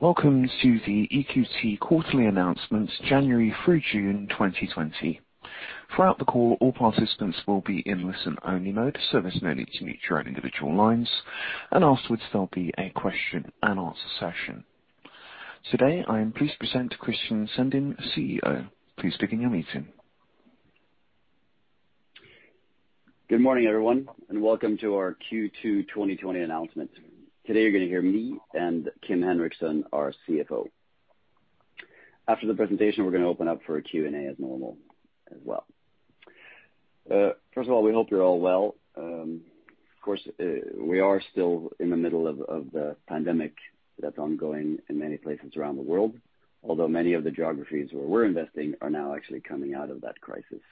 Welcome to the EQT quarterly announcement, January through June 2020. Throughout the call, all participants will be in listen-only mode, so there's no need to mute your own individual lines, and afterwards, there'll be a question and answer session. Today, I am pleased to present Christian Sinding, CEO. Please begin your meeting. Good morning, everyone. Welcome to our Q2 2020 announcement. Today, you're going to hear me and Kim Henriksson, our CFO. After the presentation, we're going to open up for a Q&A as normal as well. First of all, we hope you're all well. Of course, we are still in the middle of the pandemic that's ongoing in many places around the world, although many of the geographies where we're investing are now actually coming out of that crisis.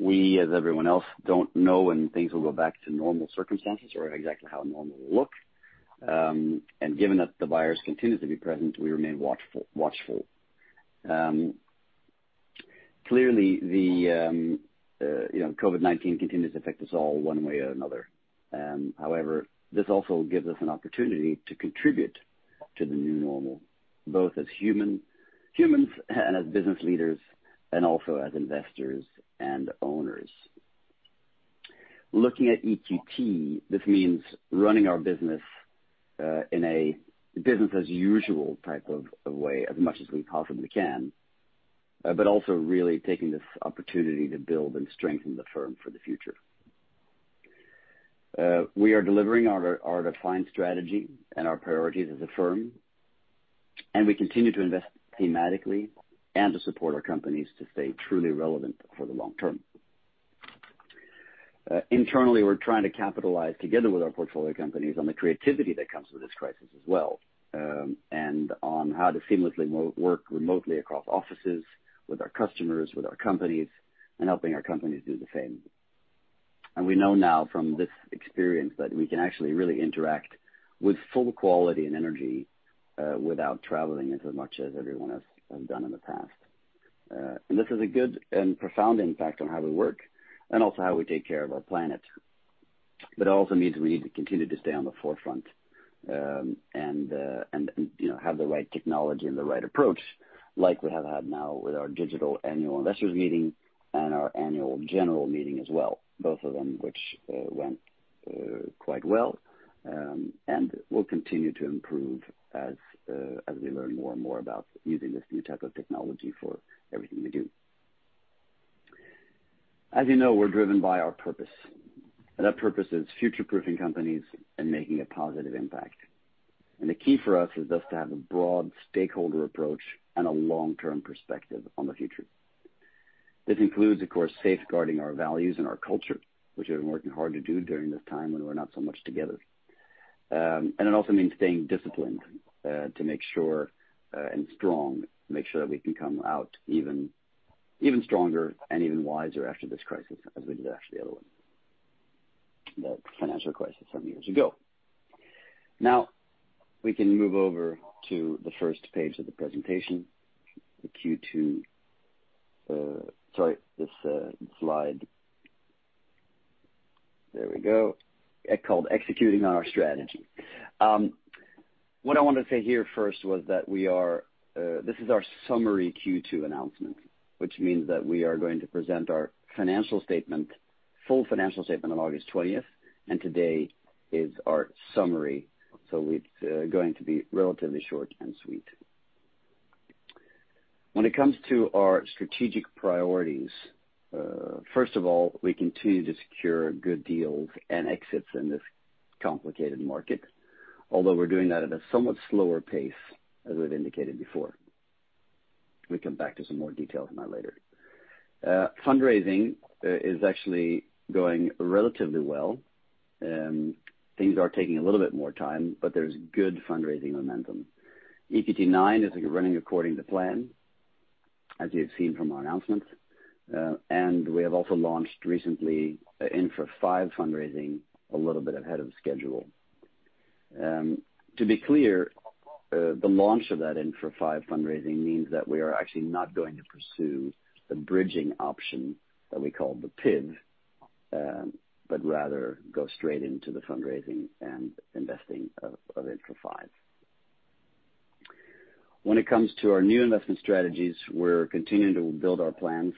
We, as everyone else, don't know when things will go back to normal circumstances or exactly how normal will look. Given that the virus continue to be present, we remain watchful. Clearly, COVID-19 continues to affect us all one way or another. However, this also gives us an opportunity to contribute to the new normal, both as humans and as business leaders, and also as investors and owners. Looking at EQT, this means running our business in a business as usual type of way, as much as we possibly can, but also really taking this opportunity to build and strengthen the firm for the future. We are delivering our defined strategy and our priorities as a firm, and we continue to invest thematically and to support our companies to stay truly relevant for the long term. Internally, we're trying to capitalize together with our portfolio companies on the creativity that comes with this crisis as well, and on how to seamlessly work remotely across offices, with our customers, with our companies, and helping our companies do the same. We know now from this experience that we can actually really interact with full quality and energy without traveling as much as everyone has done in the past. This is a good and profound impact on how we work and also how we take care of our planet. It also means we need to continue to stay on the forefront and have the right technology and the right approach, like we have had now with our digital annual investors meeting and our annual general meeting as well, both of them which went quite well and will continue to improve as we learn more and more about using this new type of technology for everything we do. As you know, we're driven by our purpose, and that purpose is future-proofing companies and making a positive impact. The key for us is thus to have a broad stakeholder approach and a long-term perspective on the future. This includes, of course, safeguarding our values and our culture, which we've been working hard to do during this time when we're not so much together. It also means staying disciplined to make sure, and strong, to make sure that we can come out even stronger and even wiser after this crisis, as we did after the other one, the financial crisis some years ago. We can move over to the first page of the presentation, this slide. There we go. Called Executing Our Strategy. What I wanted to say here first was that this is our summary Q2 announcement, which means that we are going to present our full financial statement on August 20th, and today is our summary, so it's going to be relatively short and sweet. When it comes to our strategic priorities, first of all, we continue to secure good deals and exits in this complicated market, although we're doing that at a somewhat slower pace, as we've indicated before. We come back to some more details on that later. Fundraising is actually going relatively well. Things are taking a little bit more time, but there's good fundraising momentum. EQT IX is running according to plan, as you have seen from our announcements, and we have also launched recently Infra five fundraising a little bit ahead of schedule. To be clear, the launch of that Infra five fundraising means that we are actually not going to pursue the bridging option that we call the PIV, but rather go straight into the fundraising and investing of Infra five. When it comes to our new investment strategies, we're continuing to build our plans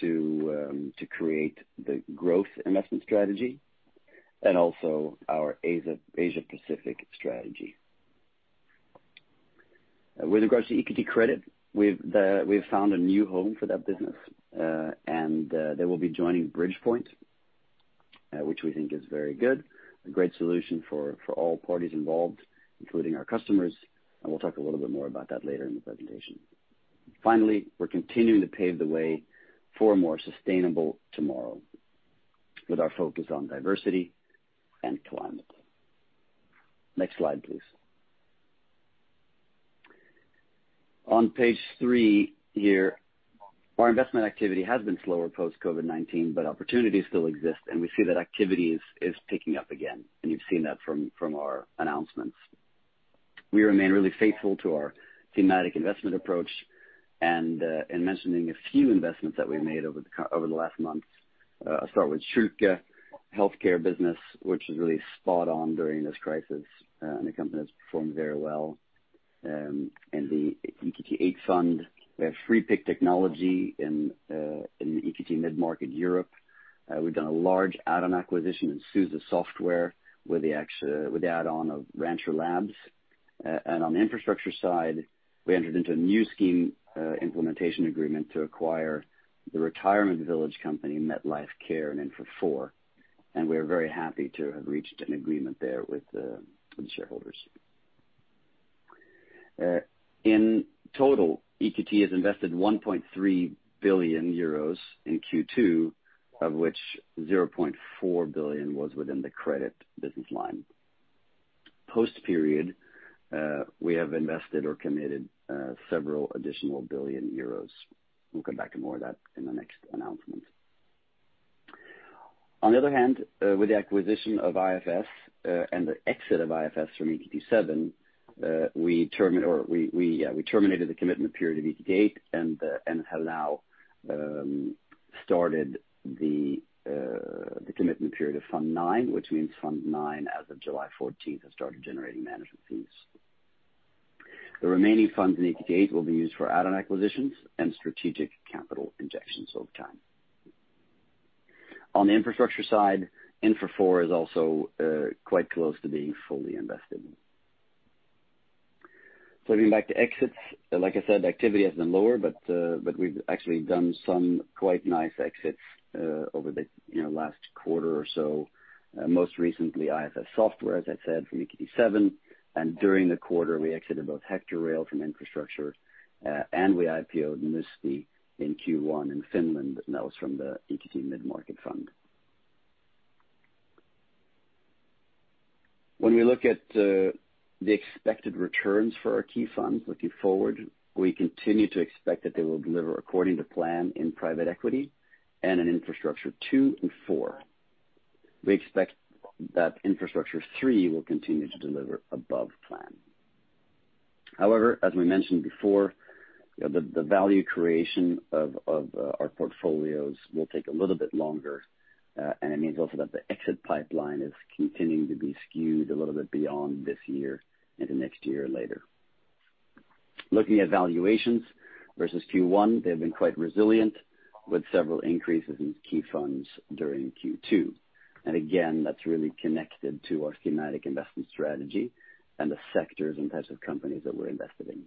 to create the growth investment strategy and also our Asia Pacific strategy. With regards to EQT Credit, we've found a new home for that business, and they will be joining Bridgepoint, which we think is very good, a great solution for all parties involved, including our customers, and we'll talk a little bit more about that later in the presentation. Finally, we're continuing to pave the way for a more sustainable tomorrow with our focus on diversity and climate. Next slide, please. On page three here, our investment activity has been slower post-COVID-19, but opportunities still exist, and we see that activity is picking up again, and you've seen that from our announcements. We remain really faithful to our thematic investment approach and mentioning a few investments that we've made over the last month. I'll start with Schülke healthcare business, which was really spot on during this crisis. The company has performed very well. The EQT VIII fund, we have Freepik technology in the EQT Mid-Market Europe. We've done a large add-on acquisition in SUSE software with the add-on of Rancher Labs. On the infrastructure side, we entered into a new scheme implementation agreement to acquire the retirement village company, Metlifecare, in Infra IV, and we are very happy to have reached an agreement there with the shareholders. In total, EQT has invested 1.3 billion euros in Q2, of which 0.4 billion was within the credit business line. Post period, we have invested or committed several additional billion EUR. We'll come back to more of that in the next announcement. On the other hand, with the acquisition of IFS and the exit of IFS from EQT VII, we terminated the commitment period of EQT VIII and have now started the commitment period of EQT IX, which means EQT IX, as of July 14th, has started generating management fees. The remaining funds in EQT VIII will be used for add-on acquisitions and strategic capital injections over time. On the infrastructure side, Infra Four is also quite close to being fully invested. Flipping back to exits, like I said, activity has been lower, but we've actually done some quite nice exits over the last quarter or so. Most recently, IFS, as I said, from EQT VII, and during the quarter, we exited both Hector Rail from infrastructure, and we IPO'd Nixu in Q1 in Finland, and that was from the EQT Mid-Market Fund. When we look at the expected returns for our key funds looking forward, we continue to expect that they will deliver according to plan in private equity and in Infrastructure 2 and 4. We expect that Infrastructure 3 will continue to deliver above plan. However, as we mentioned before, the value creation of our portfolios will take a little bit longer, and it means also that the exit pipeline is continuing to be skewed a little bit beyond this year into next year later. Looking at valuations versus Q1, they've been quite resilient, with several increases in key funds during Q2. Again, that's really connected to our schematic investment strategy and the sectors and types of companies that we're invested in.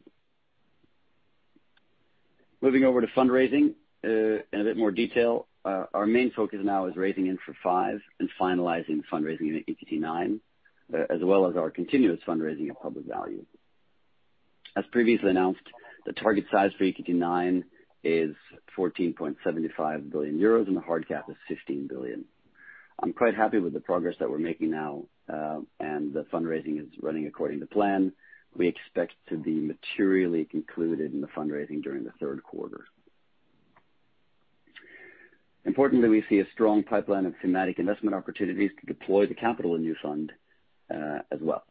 Moving over to fundraising in a bit more detail. Our main focus now is raising Infra Five and finalizing fundraising in EQT IX, as well as our continuous fundraising of Public Value. As previously announced, the target size for EQT IX is 14.75 billion euros, and the hard cap is 15 billion. I'm quite happy with the progress that we're making now, and the fundraising is running according to plan. We expect to be materially concluded in the fundraising during the third quarter. Importantly, we see a strong pipeline of thematic investment opportunities to deploy the capital in new fund as well.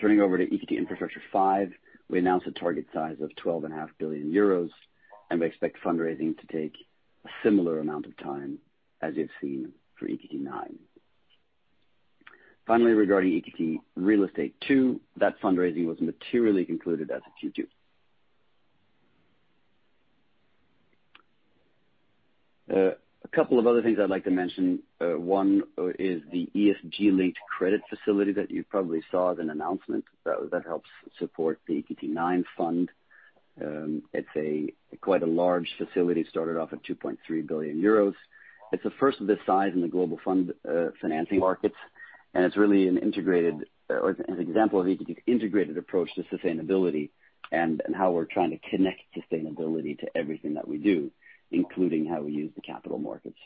Turning over to EQT Infrastructure V, we announced a target size of 12.5 billion euros, and we expect fundraising to take a similar amount of time as you've seen for EQT IX. Finally, regarding EQT Real Estate II, that fundraising was materially concluded as of Q2. A couple of other things I'd like to mention. One is the ESG-linked credit facility that you probably saw as an announcement that helps support the EQT IX fund. It's quite a large facility, started off at 2.3 billion euros. It's the first of this size in the global fund financing markets. It's really an example of EQT's integrated approach to sustainability and how we're trying to connect sustainability to everything that we do, including how we use the capital markets.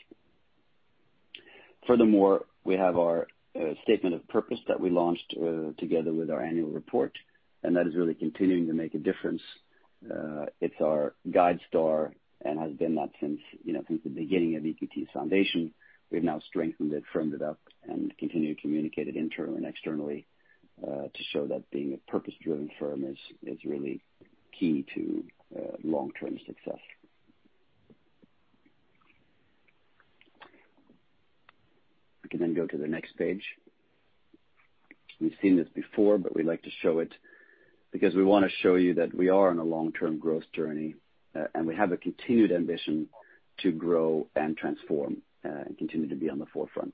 Furthermore, we have our statement of purpose that we launched together with our annual report. That is really continuing to make a difference. It's our guide star and has been that since the beginning of EQT Foundation. We've now strengthened it, firmed it up, and continue to communicate it internally and externally to show that being a purpose-driven firm is really key to long-term success. We can go to the next page. We've seen this before, but we like to show it because we want to show you that we are on a long-term growth journey, and we have a continued ambition to grow and transform and continue to be on the forefront.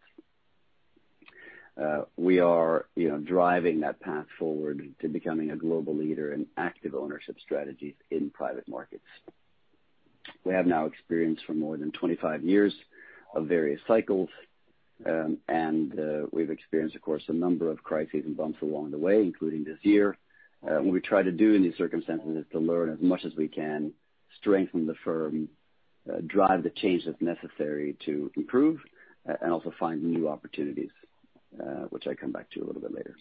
We are driving that path forward to becoming a global leader in active ownership strategies in private markets. We have now experience for more than 25 years of various cycles, and we've experienced, of course, a number of crises and bumps along the way, including this year. What we try to do in these circumstances is to learn as much as we can, strengthen the firm, drive the change that's necessary to improve, and also find new opportunities, which I come back to a little bit later.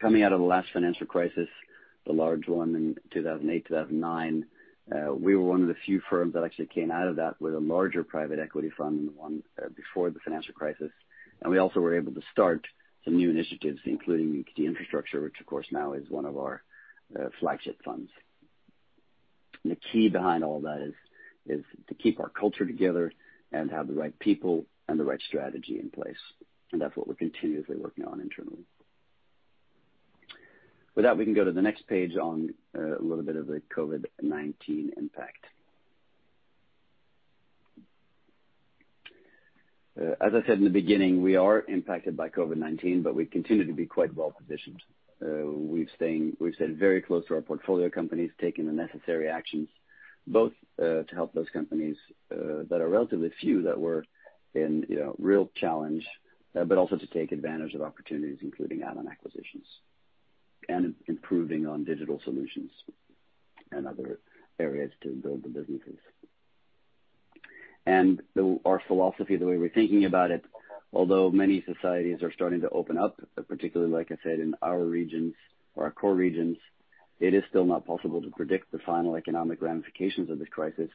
Coming out of the last financial crisis, the large one in 2008, 2009, we were one of the few firms that actually came out of that with a larger private equity fund than the one before the financial crisis. We also were able to start some new initiatives, including EQT Infrastructure, which, of course, now is one of our flagship funds. The key behind all that is to keep our culture together and have the right people and the right strategy in place, and that's what we're continuously working on internally. With that, we can go to the next page on a little bit of the COVID-19 impact. As I said in the beginning, we are impacted by COVID-19, but we continue to be quite well-positioned. We've stayed very close to our portfolio companies, taking the necessary actions both to help those companies that are relatively few that were in real challenge, but also to take advantage of opportunities, including add-on acquisitions and improving on digital solutions in other areas to build the businesses. Our philosophy, the way we're thinking about it, although many societies are starting to open up, particularly, like I said, in our regions or our core regions, it is still not possible to predict the final economic ramifications of this crisis.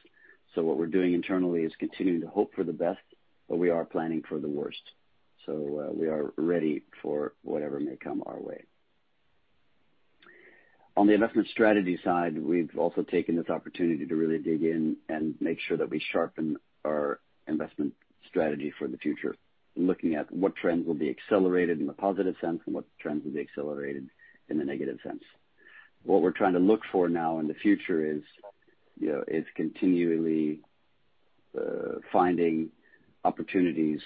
What we're doing internally is continuing to hope for the best, but we are planning for the worst. We are ready for whatever may come our way. On the investment strategy side, we've also taken this opportunity to really dig in and make sure that we sharpen our investment strategy for the future. Looking at what trends will be accelerated in the positive sense and what trends will be accelerated in the negative sense. What we're trying to look for now in the future is continually finding opportunities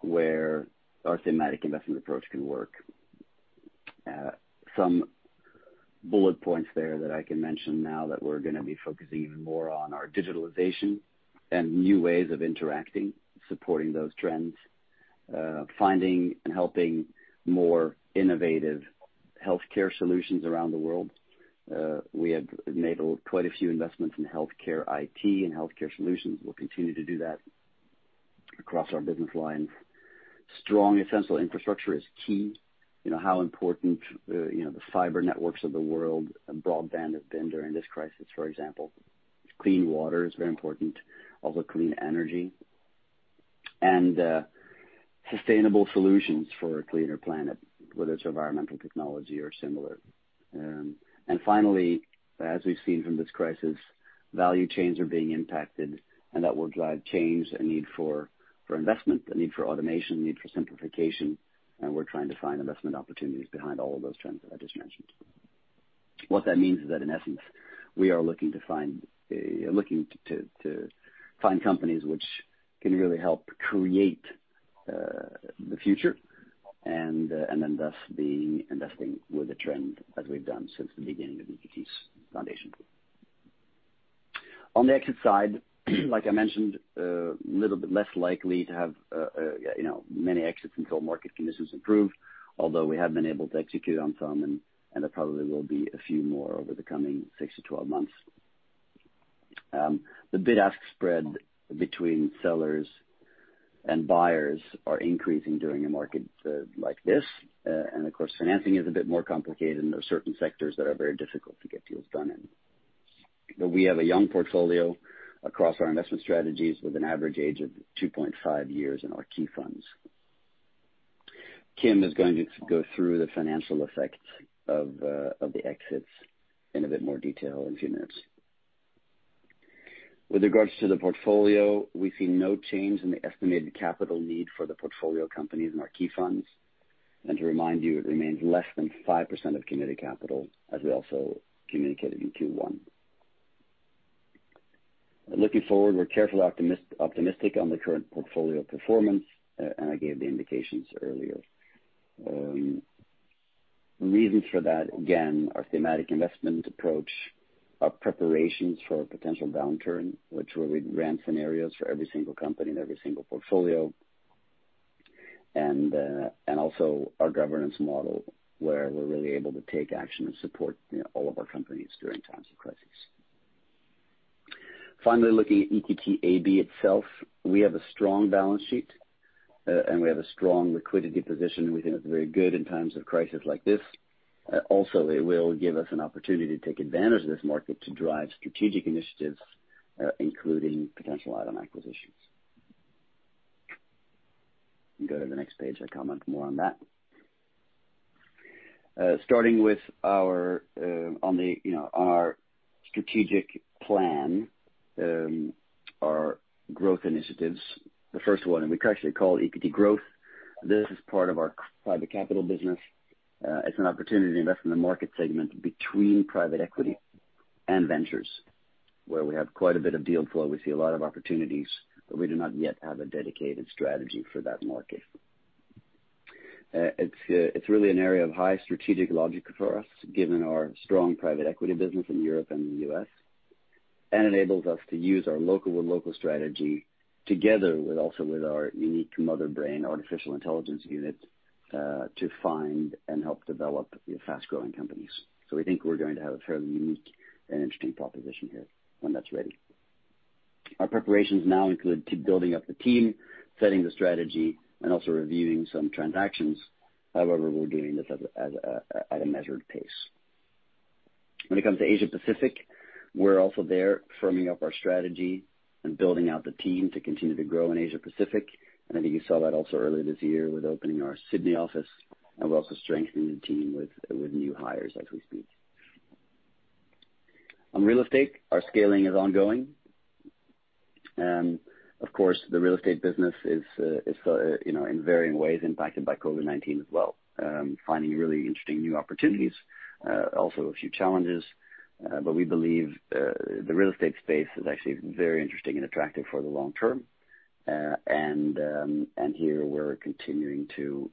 where our thematic investment approach can work. Some bullet points there that I can mention now that we're going to be focusing even more on are digitalization and new ways of interacting, supporting those trends, finding and helping more innovative healthcare solutions around the world. We have made quite a few investments in healthcare IT and healthcare solutions. We'll continue to do that across our business lines. Strong essential infrastructure is key. How important the fiber networks of the world and broadband have been during this crisis, for example. Clean water is very important. Also clean energy and sustainable solutions for a cleaner planet, whether it's environmental technology or similar. Finally, as we've seen from this crisis, value chains are being impacted, and that will drive change and need for investment, the need for automation, the need for simplification. We're trying to find investment opportunities behind all of those trends that I just mentioned. What that means is that in essence, we are looking to find companies which can really help create the future, and then thus investing with the trend as we've done since the beginning of EQT's foundation. On the exit side, like I mentioned, a little bit less likely to have many exits until market conditions improve. Although we have been able to execute on some, and there probably will be a few more over the coming 6 to 12 months. The bid-ask spread between sellers and buyers are increasing during a market like this. Of course, financing is a bit more complicated, and there are certain sectors that are very difficult to get deals done in. We have a young portfolio across our investment strategies with an average age of 2.5 years in our key funds. Kim is going to go through the financial effects of the exits in a bit more detail in a few minutes. With regards to the portfolio, we see no change in the estimated capital need for the portfolio companies in our key funds. To remind you, it remains less than 5% of committed capital, as we also communicated in Q1. Looking forward, we're carefully optimistic on the current portfolio performance, and I gave the indications earlier. Reasons for that, again, our thematic investment approach, our preparations for a potential downturn, which we ran scenarios for every single company in every single portfolio, and also our governance model, where we are really able to take action and support all of our companies during times of crisis. Finally, looking at EQT AB itself, we have a strong balance sheet, and we have a strong liquidity position we think is very good in times of crisis like this. It will give us an opportunity to take advantage of this market to drive strategic initiatives, including potential add-on acquisitions. Go to the next page. I comment more on that. Starting with our strategic plan, our growth initiatives, the first one we actually call EQT Growth. This is part of our private capital business. It's an opportunity to invest in the market segment between private equity and ventures, where we have quite a bit of deal flow. We see a lot of opportunities. We do not yet have a dedicated strategy for that market. It's really an area of high strategic logic for us, given our strong private equity business in Europe and the U.S., and enables us to use our local strategy together also with our unique Motherbrain artificial intelligence unit to find and help develop fast-growing companies. We think we're going to have a fairly unique and interesting proposition here when that's ready. Our preparations now include building up the team, setting the strategy, and also reviewing some transactions. However, we're doing this at a measured pace. When it comes to Asia Pacific, we're also there firming up our strategy and building out the team to continue to grow in Asia Pacific. I think you saw that also earlier this year with opening our Sydney office, and we're also strengthening the team with new hires as we speak. On real estate, our scaling is ongoing. Of course, the real estate business is in varying ways impacted by COVID-19 as well. Finding really interesting new opportunities, also a few challenges, but we believe the real estate space is actually very interesting and attractive for the long term. Here we're continuing to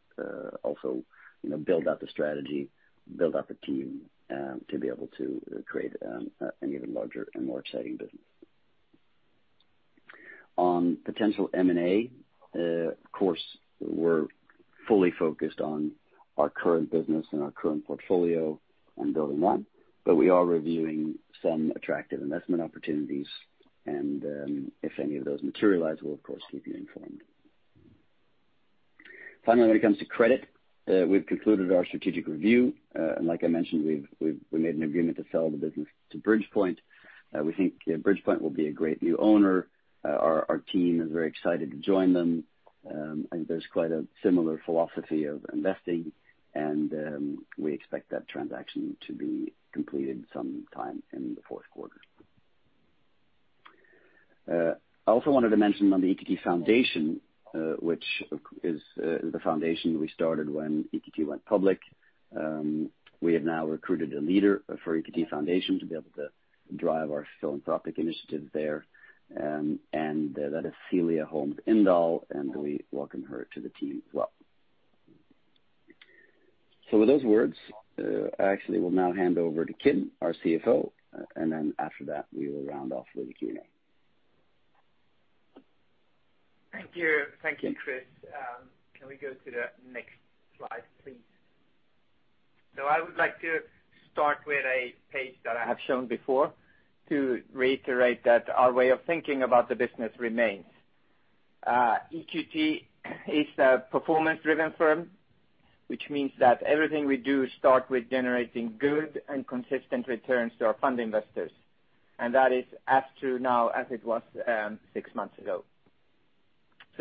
also build out the strategy, build up a team to be able to create an even larger and more exciting business. On potential M&A, of course, we're fully focused on our current business and our current portfolio on building one, but we are reviewing some attractive investment opportunities. If any of those materialize, we'll of course, keep you informed. Finally, when it comes to credit, we've concluded our strategic review. Like I mentioned, we made an agreement to sell the business to Bridgepoint. We think Bridgepoint will be a great new owner. Our team is very excited to join them. I think there's quite a similar philosophy of investing, and we expect that transaction to be completed sometime in the fourth quarter. I also wanted to mention on the EQT Foundation, which is the foundation we started when EQT went public. We have now recruited a leader for EQT Foundation to be able to drive our philanthropic initiatives there, and that is Cilia Holmes Indahl, and we welcome her to the team as well. With those words, I actually will now hand over to Kim, our CFO, and then after that, we will round off with the Q&A. Thank you, Chris. Can we go to the next slide, please? I would like to start with a page that I have shown before to reiterate that our way of thinking about the business remains. EQT is a performance-driven firm, which means that everything we do starts with generating good and consistent returns to our fund investors, and that is as true now as it was six months ago.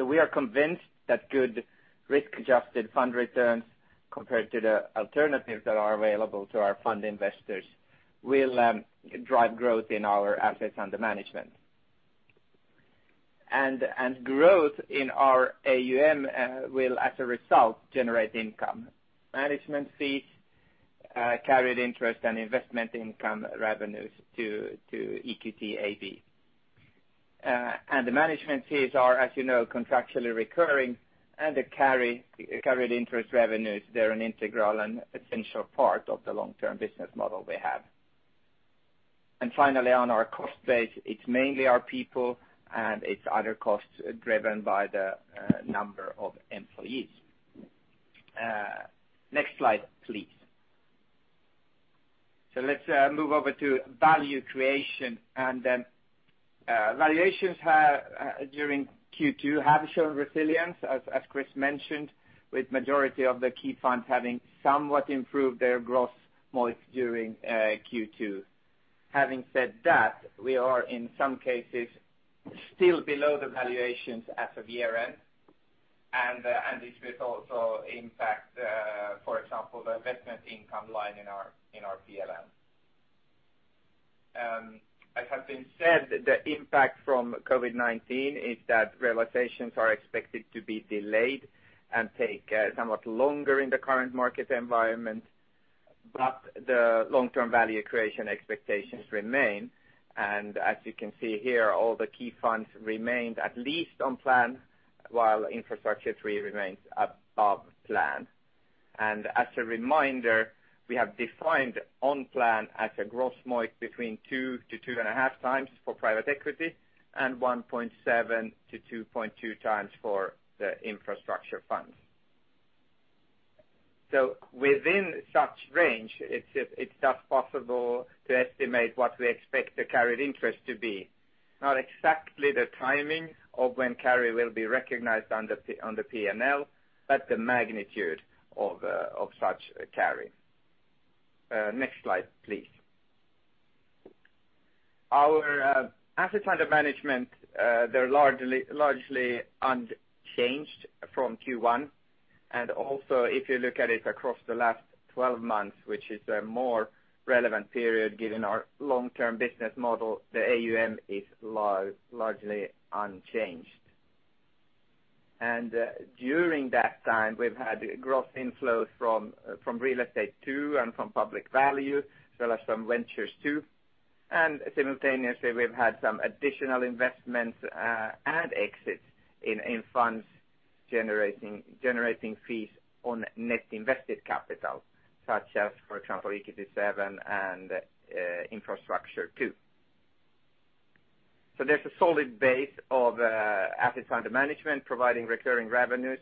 We are convinced that good risk-adjusted fund returns compared to the alternatives that are available to our fund investors will drive growth in our assets under management. Growth in our AUM will, as a result, generate income management fees, carried interest, and investment income revenues to EQT AB. The management fees are, as you know, contractually recurring, and the carried interest revenues, they're an integral and essential part of the long-term business model we have. Finally, on our cost base, it's mainly our people, and it's other costs driven by the number of employees. Next slide, please. Let's move over to value creation. Valuations during Q2 have shown resilience, as Chris mentioned, with the majority of the key funds having somewhat improved their gross MOIC during Q2. Having said that, we are in some cases still below the valuations at the year-end, and this will also impact, for example, the investment income line in our P&L. As has been said, the impact from COVID-19 is that realizations are expected to be delayed and take somewhat longer in the current market environment, but the long-term value creation expectations remain. As you can see here, all the key funds remained at least on plan, while Infrastructure III remains above plan. As a reminder, we have defined on plan as a gross MOIC between 2-2.5 times for private equity and 1.7-2.2 times for the EQT Infrastructure funds. Within such range, it's thus possible to estimate what we expect the carried interest to be, not exactly the timing of when carry will be recognized on the P&L, but the magnitude of such carry. Next slide, please. Our assets under management, they're largely unchanged from Q1. Also, if you look at it across the last 12 months, which is a more relevant period given our long-term business model, the AUM is largely unchanged. During that time, we've had gross inflows from EQT Real Estate II and from EQT Public Value, as well as from EQT Ventures II. Simultaneously, we've had some additional investments and exits in funds generating fees on net invested capital, such as, for example, EQT VII and EQT Infrastructure II. There's a solid base of assets under management providing recurring revenues.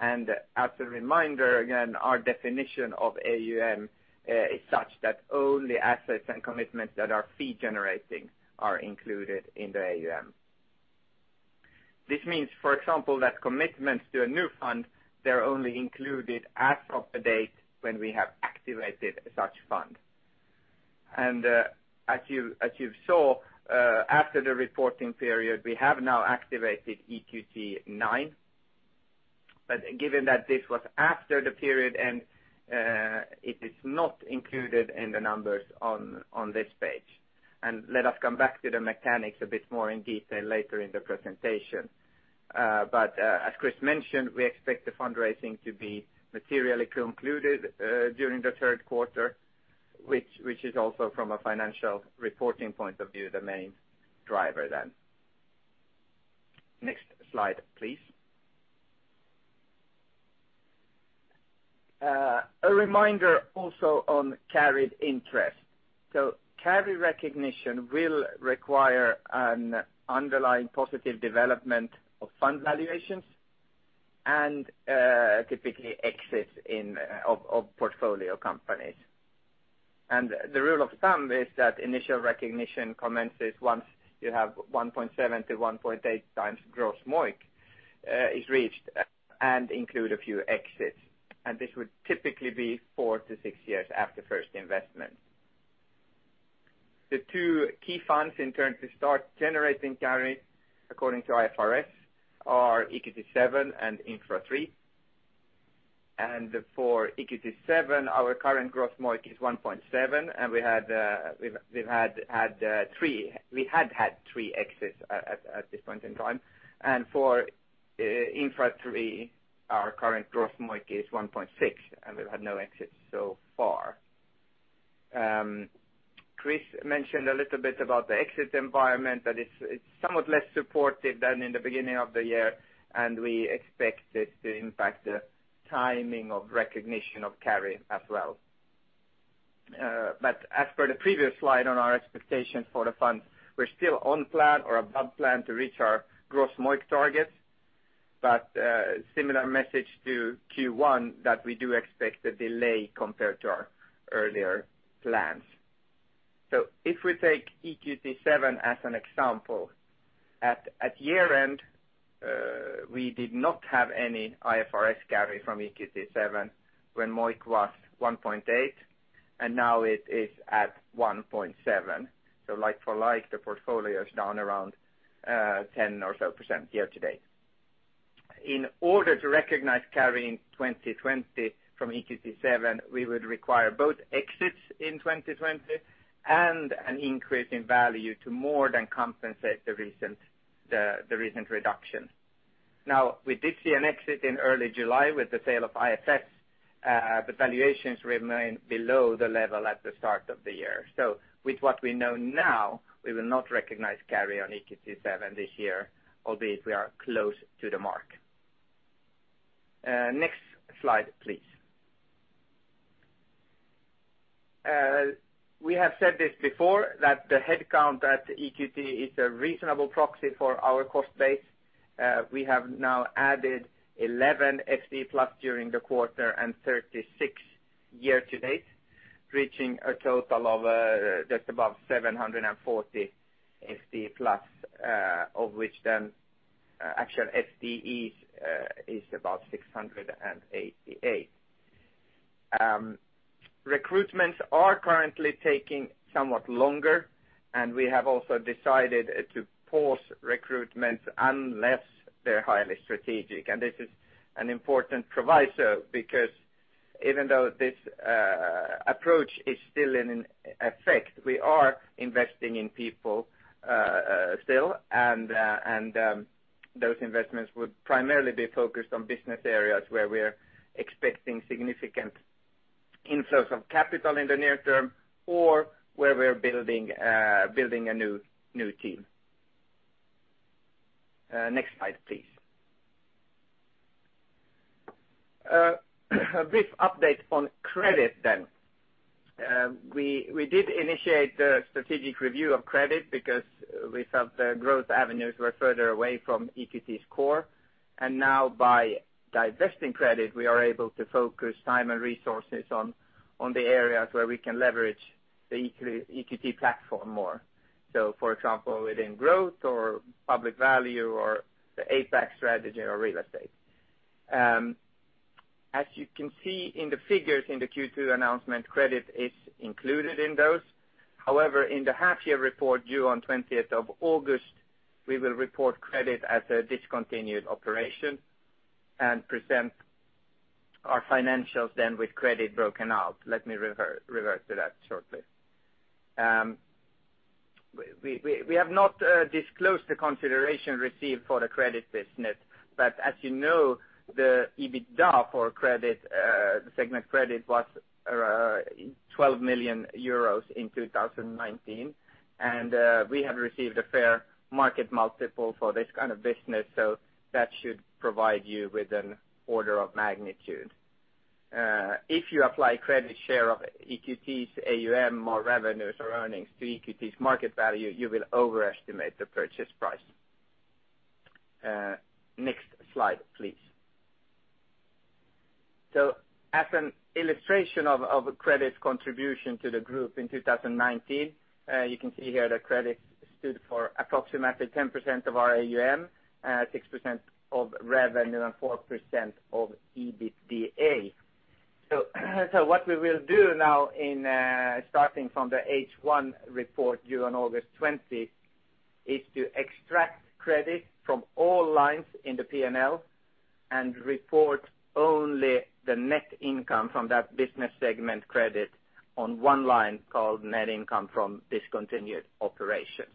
As a reminder again, our definition of AUM is such that only assets and commitments that are fee generating are included in the AUM. This means, for example, that commitments to a new fund, they're only included as of the date when we have activated such fund. As you've saw, after the reporting period, we have now activated EQT IX. Given that this was after the period and it is not included in the numbers on this page. Let us come back to the mechanics a bit more in detail later in the presentation. As Chris mentioned, we expect the fundraising to be materially concluded during the third quarter, which is also from a financial reporting point of view, the main driver then. Next slide, please. A reminder also on carried interest. Carry recognition will require an underlying positive development of fund valuations and typically exits of portfolio companies. The rule of thumb is that initial recognition commences once you have 1.7 to 1.8 times gross MOIC is reached and include a few exits. This would typically be four to six years after first investment. The two key funds in turn to start generating carry according to IFRS are EQT VII and Infra Three. For EQT VII, our current gross MOIC is 1.7, and we had three exits at this point in time. For Infra three, our current gross MOIC is 1.6. We've had no exits so far. Chris mentioned a little bit about the exit environment, that it's somewhat less supportive than in the beginning of the year. We expect it to impact the timing of recognition of carry as well. As for the previous slide on our expectations for the fund, we're still on plan or above plan to reach our gross MOIC targets, similar message to Q1 that we do expect a delay compared to our earlier plans. If we take EQT VII as an example, at year-end we did not have any IFRS carry from EQT VII when MOIC was 1.8. Now it is at 1.7. Like for like, the portfolio is down around 10% or so year to date. In order to recognize carry in 2020 from EQT VII, we would require both exits in 2020 and an increase in value to more than compensate the recent reduction. We did see an exit in early July with the sale of IFS but valuations remain below the level at the start of the year. With what we know now, we will not recognize carry on EQT VII this year, albeit we are close to the mark. Next slide, please. We have said this before, that the headcount at EQT is a reasonable proxy for our cost base. We have now added 11 FTE plus during the quarter and 36 year to date, reaching a total of just above 740 FTE plus of which then actual FTEs is about 688. Recruitments are currently taking somewhat longer, and we have also decided to pause recruitments unless they're highly strategic. This is an important proviso because even though this approach is still in effect, we are investing in people still and those investments would primarily be focused on business areas where we're expecting significant inflows of capital in the near term or where we're building a new team. Next slide, please. A brief update on EQT Credit. We did initiate the strategic review of EQT Credit because we felt the growth avenues were further away from EQT's core. Now by divesting EQT Credit, we are able to focus time and resources on the areas where we can leverage the EQT platform more. For example, within EQT Growth or EQT Public Value or the APAC strategy or real estate. As you can see in the figures in the Q2 announcement, EQT Credit is included in those. However, in the half year report due on 20th of August, we will report EQT Credit as a discontinued operation and present our financials then with EQT Credit broken out. Let me revert to that shortly. We have not disclosed the consideration received for the EQT Credit business, as you know, the EBITDA for the segment EQT Credit was 12 million euros in 2019. We have received a fair market multiple for this kind of business, that should provide you with an order of magnitude. If you apply EQT Credit share of EQT's AUM or revenues or earnings to EQT's market value, you will overestimate the purchase price. Next slide, please. As an illustration of EQT Credit's contribution to the group in 2019, you can see here that EQT Credit stood for approximately 10% of our AUM, 6% of revenue, and 4% of EBITDA. What we will do now starting from the H1 report due on August 20th, is to extract credit from all lines in the P&L and report only the net income from that business segment credit on one line called net income from discontinued operations.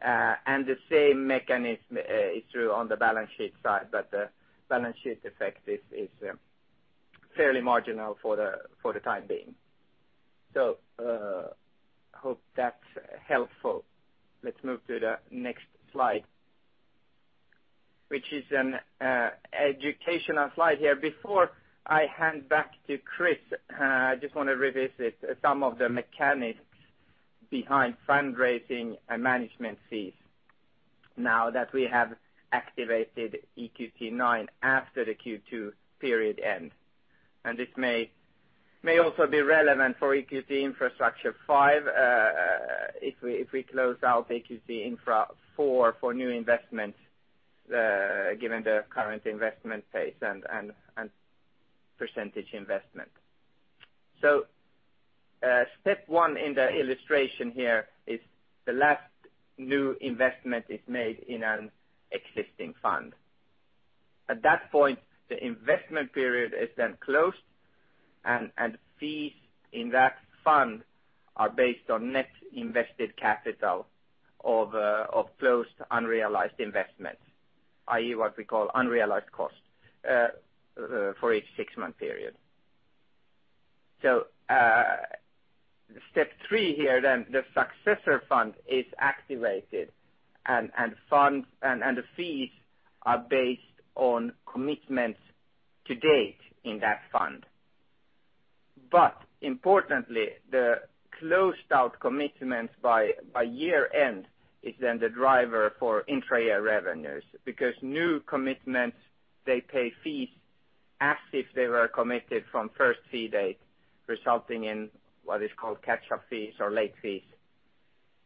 The same mechanism is true on the balance sheet side, but the balance sheet effect is fairly marginal for the time being. Hope that's helpful. Let's move to the next slide, which is an educational slide here. Before I hand back to Chris, I just want to revisit some of the mechanics behind fundraising and management fees now that we have activated EQT IX after the Q2 period end. This may also be relevant for EQT Infrastructure V, if we close out EQT Infra IV for new investments, given the current investment pace and percentage investment. Step 1 in the illustration here is the last new investment is made in an existing fund. At that point, the investment period is then closed and fees in that fund are based on net invested capital of closed unrealized investments, i.e., what we call unrealized costs, for each six-month period. Step 3 here then, the successor fund is activated, and the fees are based on commitments to date in that fund. Importantly, the closed-out commitments by year-end is then the driver for intra-year revenues because new commitments, they pay fees as if they were committed from first fee date, resulting in what is called catch-up fees or late fees.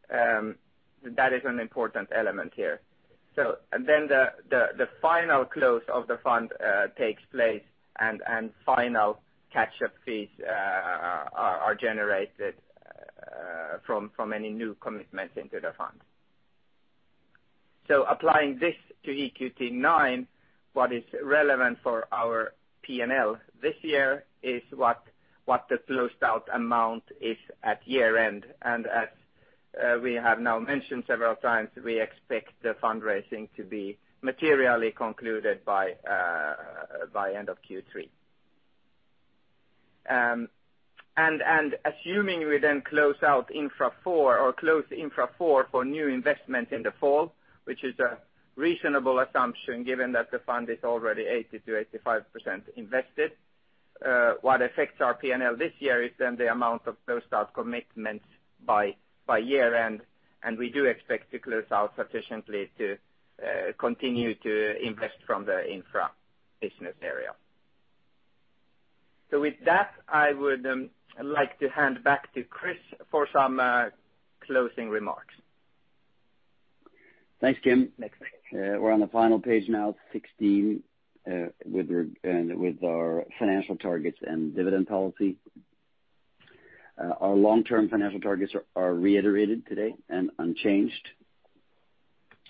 That is an important element here. The final close of the fund takes place and final catch-up fees are generated from any new commitments into the fund. Applying this to EQT IX, what is relevant for our P&L this year is what the closed-out amount is at year-end. As we have now mentioned several times, we expect the fundraising to be materially concluded by end of Q3. Assuming we then close out Infra 4 or close Infra 4 for new investment in the fall, which is a reasonable assumption given that the fund is already 80%-85% invested, what affects our P&L this year is then the amount of closed-out commitments by year-end, and we do expect to close out sufficiently to continue to invest from the Infra business area. With that, I would like to hand back to Chris for some closing remarks. Thanks, Kim. Next page. We're on the final page now, 16, with our financial targets and dividend policy. Our long-term financial targets are reiterated today and unchanged.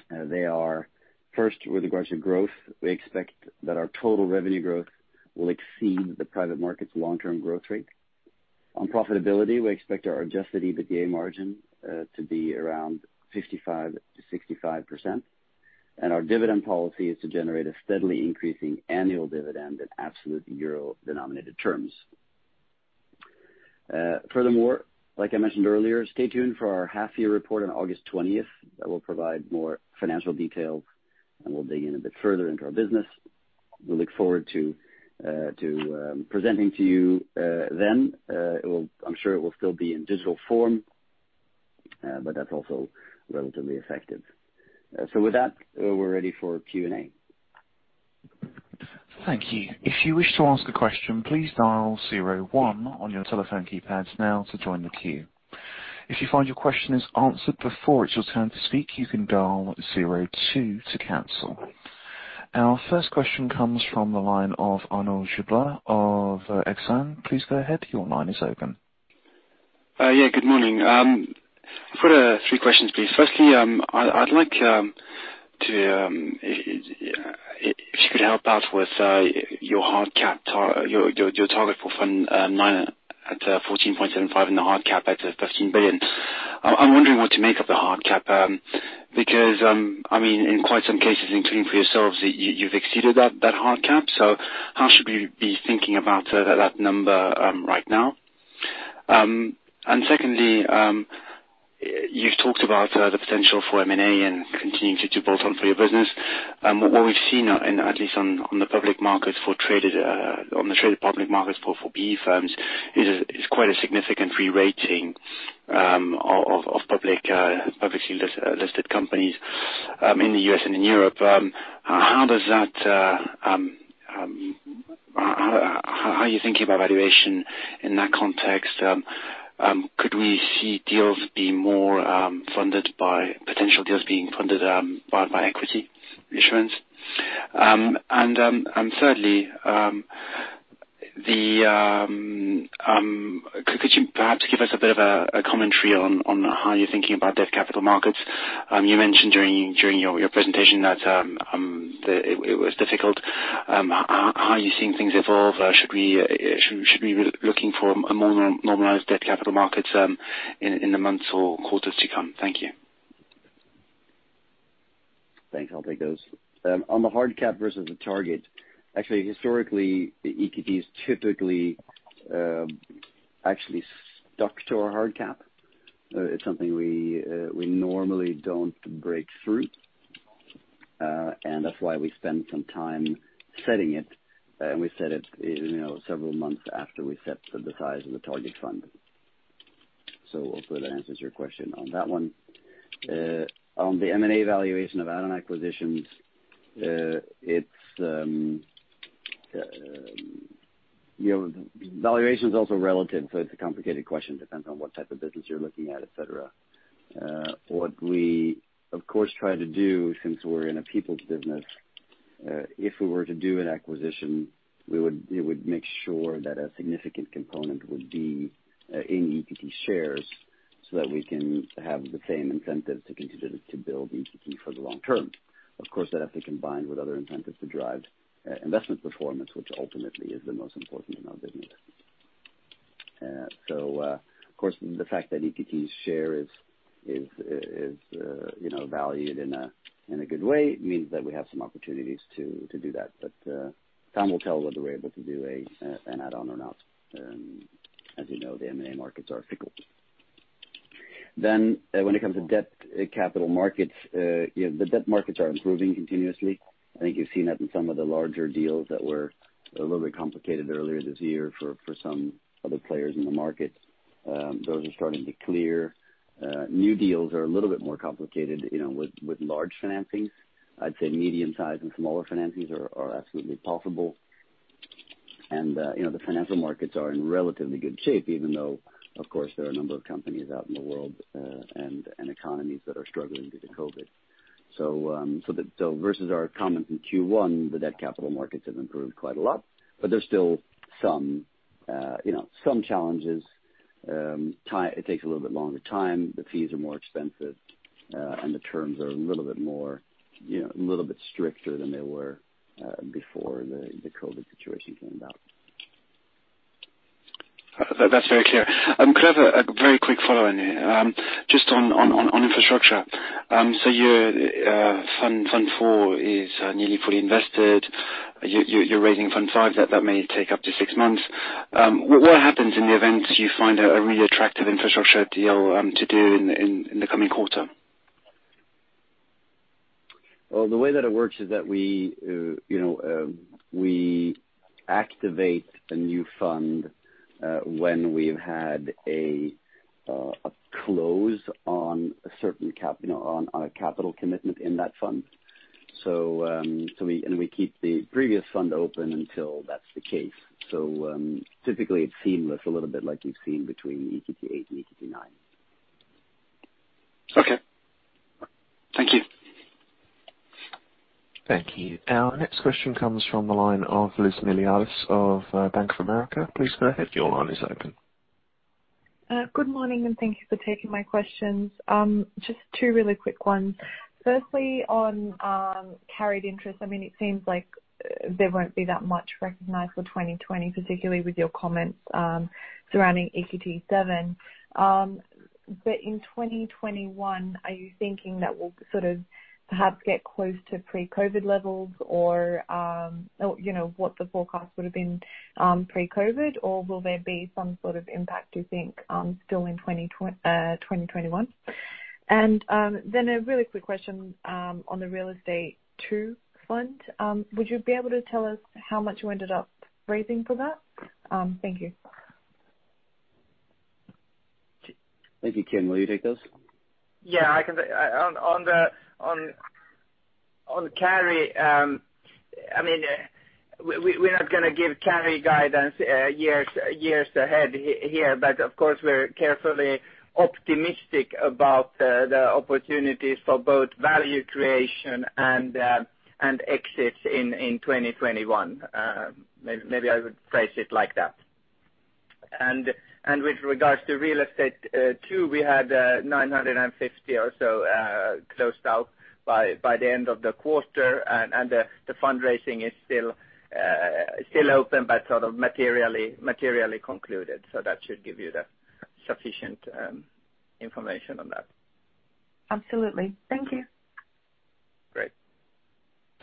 They are first with regards to growth, we expect that our total revenue growth will exceed the private market's long-term growth rate. On profitability, we expect our adjusted EBITDA margin to be around 55%-65%, and our dividend policy is to generate a steadily increasing annual dividend in absolute EUR-denominated terms. Furthermore, like I mentioned earlier, stay tuned for our half-year report on August 20th. That will provide more financial details, and we'll dig in a bit further into our business. We look forward to presenting to you then. I'm sure it will still be in digital form, but that's also relatively effective. With that, we're ready for Q&A. Thank you. If you wish to ask a question, please dial zero one on your telephone keypads now to join the queue. If you find your question is answered before it's your turn to speak, you can dial zero two to cancel. Our first question comes from the line of Arnaud Giblat of Exane. Please go ahead. Your line is open. Yeah, good morning. I've got three questions, please. If you could help out with your target for Fund Nine at 14.75 and the hard cap at 15 billion. I'm wondering what to make of the hard cap because, in quite some cases, including for yourselves, you've exceeded that hard cap. How should we be thinking about that number right now? Secondly, you've talked about the potential for M&A and continuing to bolt on for your business. What we've seen, at least on the traded public markets for PE firms, is quite a significant rerating of publicly listed companies in the U.S. and in Europe. How are you thinking about valuation in that context? Could we see potential deals being funded by equity insurance? Thirdly, could you perhaps give us a bit of a commentary on how you're thinking about debt capital markets? You mentioned during your presentation that it was difficult. How are you seeing things evolve? Should we be looking for a more normalized debt capital markets in the months or quarters to come? Thank you. Thanks. I'll take those. On the hard cap versus the target, actually, historically, EQT is typically actually stuck to a hard cap. It's something we normally don't break through, and that's why we spend some time setting it, and we set it several months after we set the size of the target fund. Hopefully that answers your question on that one. On the M&A valuation of add-on acquisitions, valuation is also relative, so it's a complicated question. Depends on what type of business you're looking at, et cetera. What we, of course, try to do, since we're in a people's business, if we were to do an acquisition, we would make sure that a significant component would be in EQT shares so that we can have the same incentive to continue to build EQT for the long term. That has to combine with other incentives to drive investment performance, which ultimately is the most important in our business. Of course, the fact that EQT share is valued in a good way means that we have some opportunities to do that. Time will tell whether we're able to do an add-on or not. As you know, the M&A markets are fickle. When it comes to debt capital markets, the debt markets are improving continuously. I think you've seen that in some of the larger deals that were a little bit complicated earlier this year for some other players in the market. Those are starting to clear. New deals are a little bit more complicated with large financings. I'd say medium-sized and smaller financings are absolutely possible. The financial markets are in relatively good shape, even though, of course, there are a number of companies out in the world and economies that are struggling due to COVID. Versus our comments in Q1, the debt capital markets have improved quite a lot, but there's still some challenges. It takes a little bit longer time, the fees are more expensive, and the terms are a little bit stricter than they were before the COVID situation came about. That's very clear. Could I have a very quick follow on here? Just on infrastructure. Your Fund IV is nearly fully invested. You're raising Fund V, that may take up to six months. What happens in the event you find a really attractive infrastructure deal to do in the coming quarter? Well, the way that it works is that we activate a new fund when we've had a close on a capital commitment in that fund. We keep the previous fund open until that's the case. Typically it's seamless, a little bit like you've seen between EQT VIII and EQT IX. Okay. Thank you. Thank you. Our next question comes from the line of Elizabeth Miliatis of Bank of America. Please go ahead. Your line is open. Good morning. Thank you for taking my questions. Just two really quick ones. Firstly, on carried interest, it seems like there won't be that much recognized for 2020, particularly with your comments surrounding EQT VII. In 2021, are you thinking that we'll perhaps get close to pre-COVID levels? What the forecast would've been pre-COVID, or will there be some sort of impact, do you think, still in 2021? A really quick question on the EQT Real Estate II fund. Would you be able to tell us how much you ended up raising for that? Thank you. Thank you. Kim, will you take those? Yeah. On carry, we're not going to give carry guidance years ahead here, but of course, we're carefully optimistic about the opportunities for both value creation and exits in 2021. Maybe I would phrase it like that. With regards to Real Estate II, we had 950 or so closed out by the end of the quarter, and the fundraising is still open but sort of materially concluded. That should give you the sufficient information on that. Absolutely. Thank you. Great.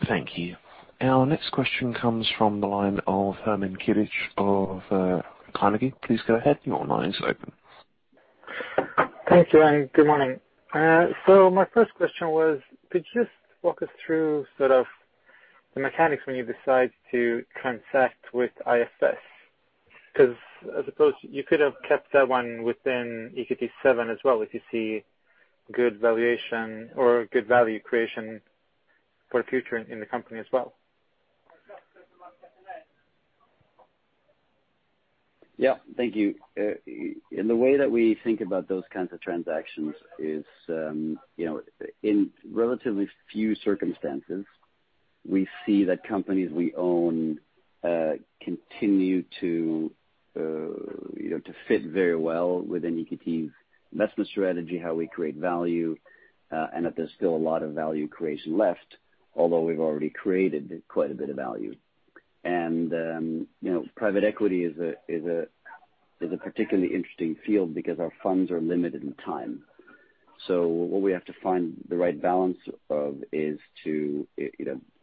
Thank you. Our next question comes from the line of Herman Kirich of Carnegie. Please go ahead. Your line is open. Thank you, and good morning. My first question was, could you just walk us through the mechanics when you decide to transact with IFS? I suppose you could have kept that one within EQT VII as well, if you see good valuation or good value creation for the future in the company as well. Yeah. Thank you. In the way that we think about those kinds of transactions is, in relatively few circumstances, we see that companies we own continue to fit very well within EQT's investment strategy, how we create value, and that there's still a lot of value creation left, although we've already created quite a bit of value. Private equity is a particularly interesting field because our funds are limited in time. What we have to find the right balance of is to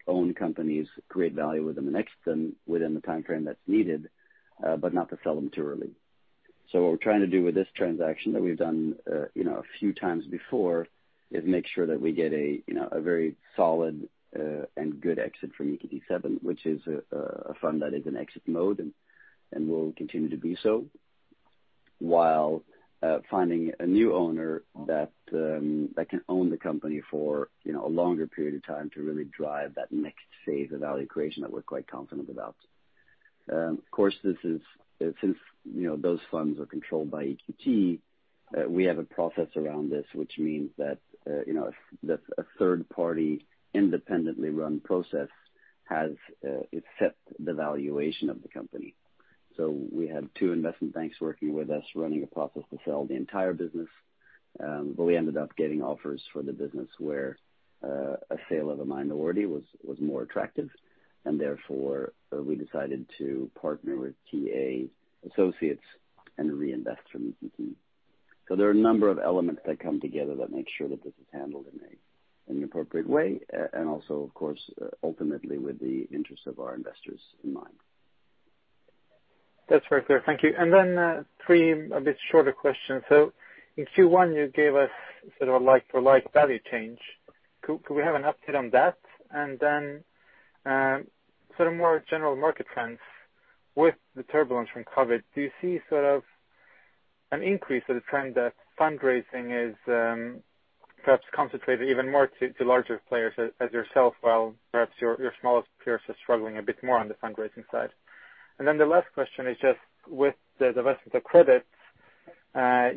own companies, create value with them, and exit them within the timeframe that's needed, but not to sell them too early. What we're trying to do with this transaction that we've done a few times before is make sure that we get a very solid and good exit from EQT VII, which is a fund that is in exit mode and will continue to be so, while finding a new owner that can own the company for a longer period of time to really drive that next phase of value creation that we're quite confident about. Of course, since those funds are controlled by EQT, we have a process around this, which means that a third-party independently run process has set the valuation of the company. We had two investment banks working with us, running a process to sell the entire business, but we ended up getting offers for the business where a sale of a minority was more attractive, and therefore, we decided to partner with TA Associates and reinvest from EQT. There are a number of elements that come together that make sure that this is handled in an appropriate way, and also, of course, ultimately with the interest of our investors in mind. That's very clear. Thank you. Three a bit shorter questions. In Q1 you gave us sort of a like-for-like value change. Could we have an update on that? More general market trends with the turbulence from COVID-19, do you see sort of an increase or the trend that fundraising is perhaps concentrated even more to larger players as yourself, while perhaps your smallest peers are struggling a bit more on the fundraising side? The last question is just with the divestment of EQT Credit,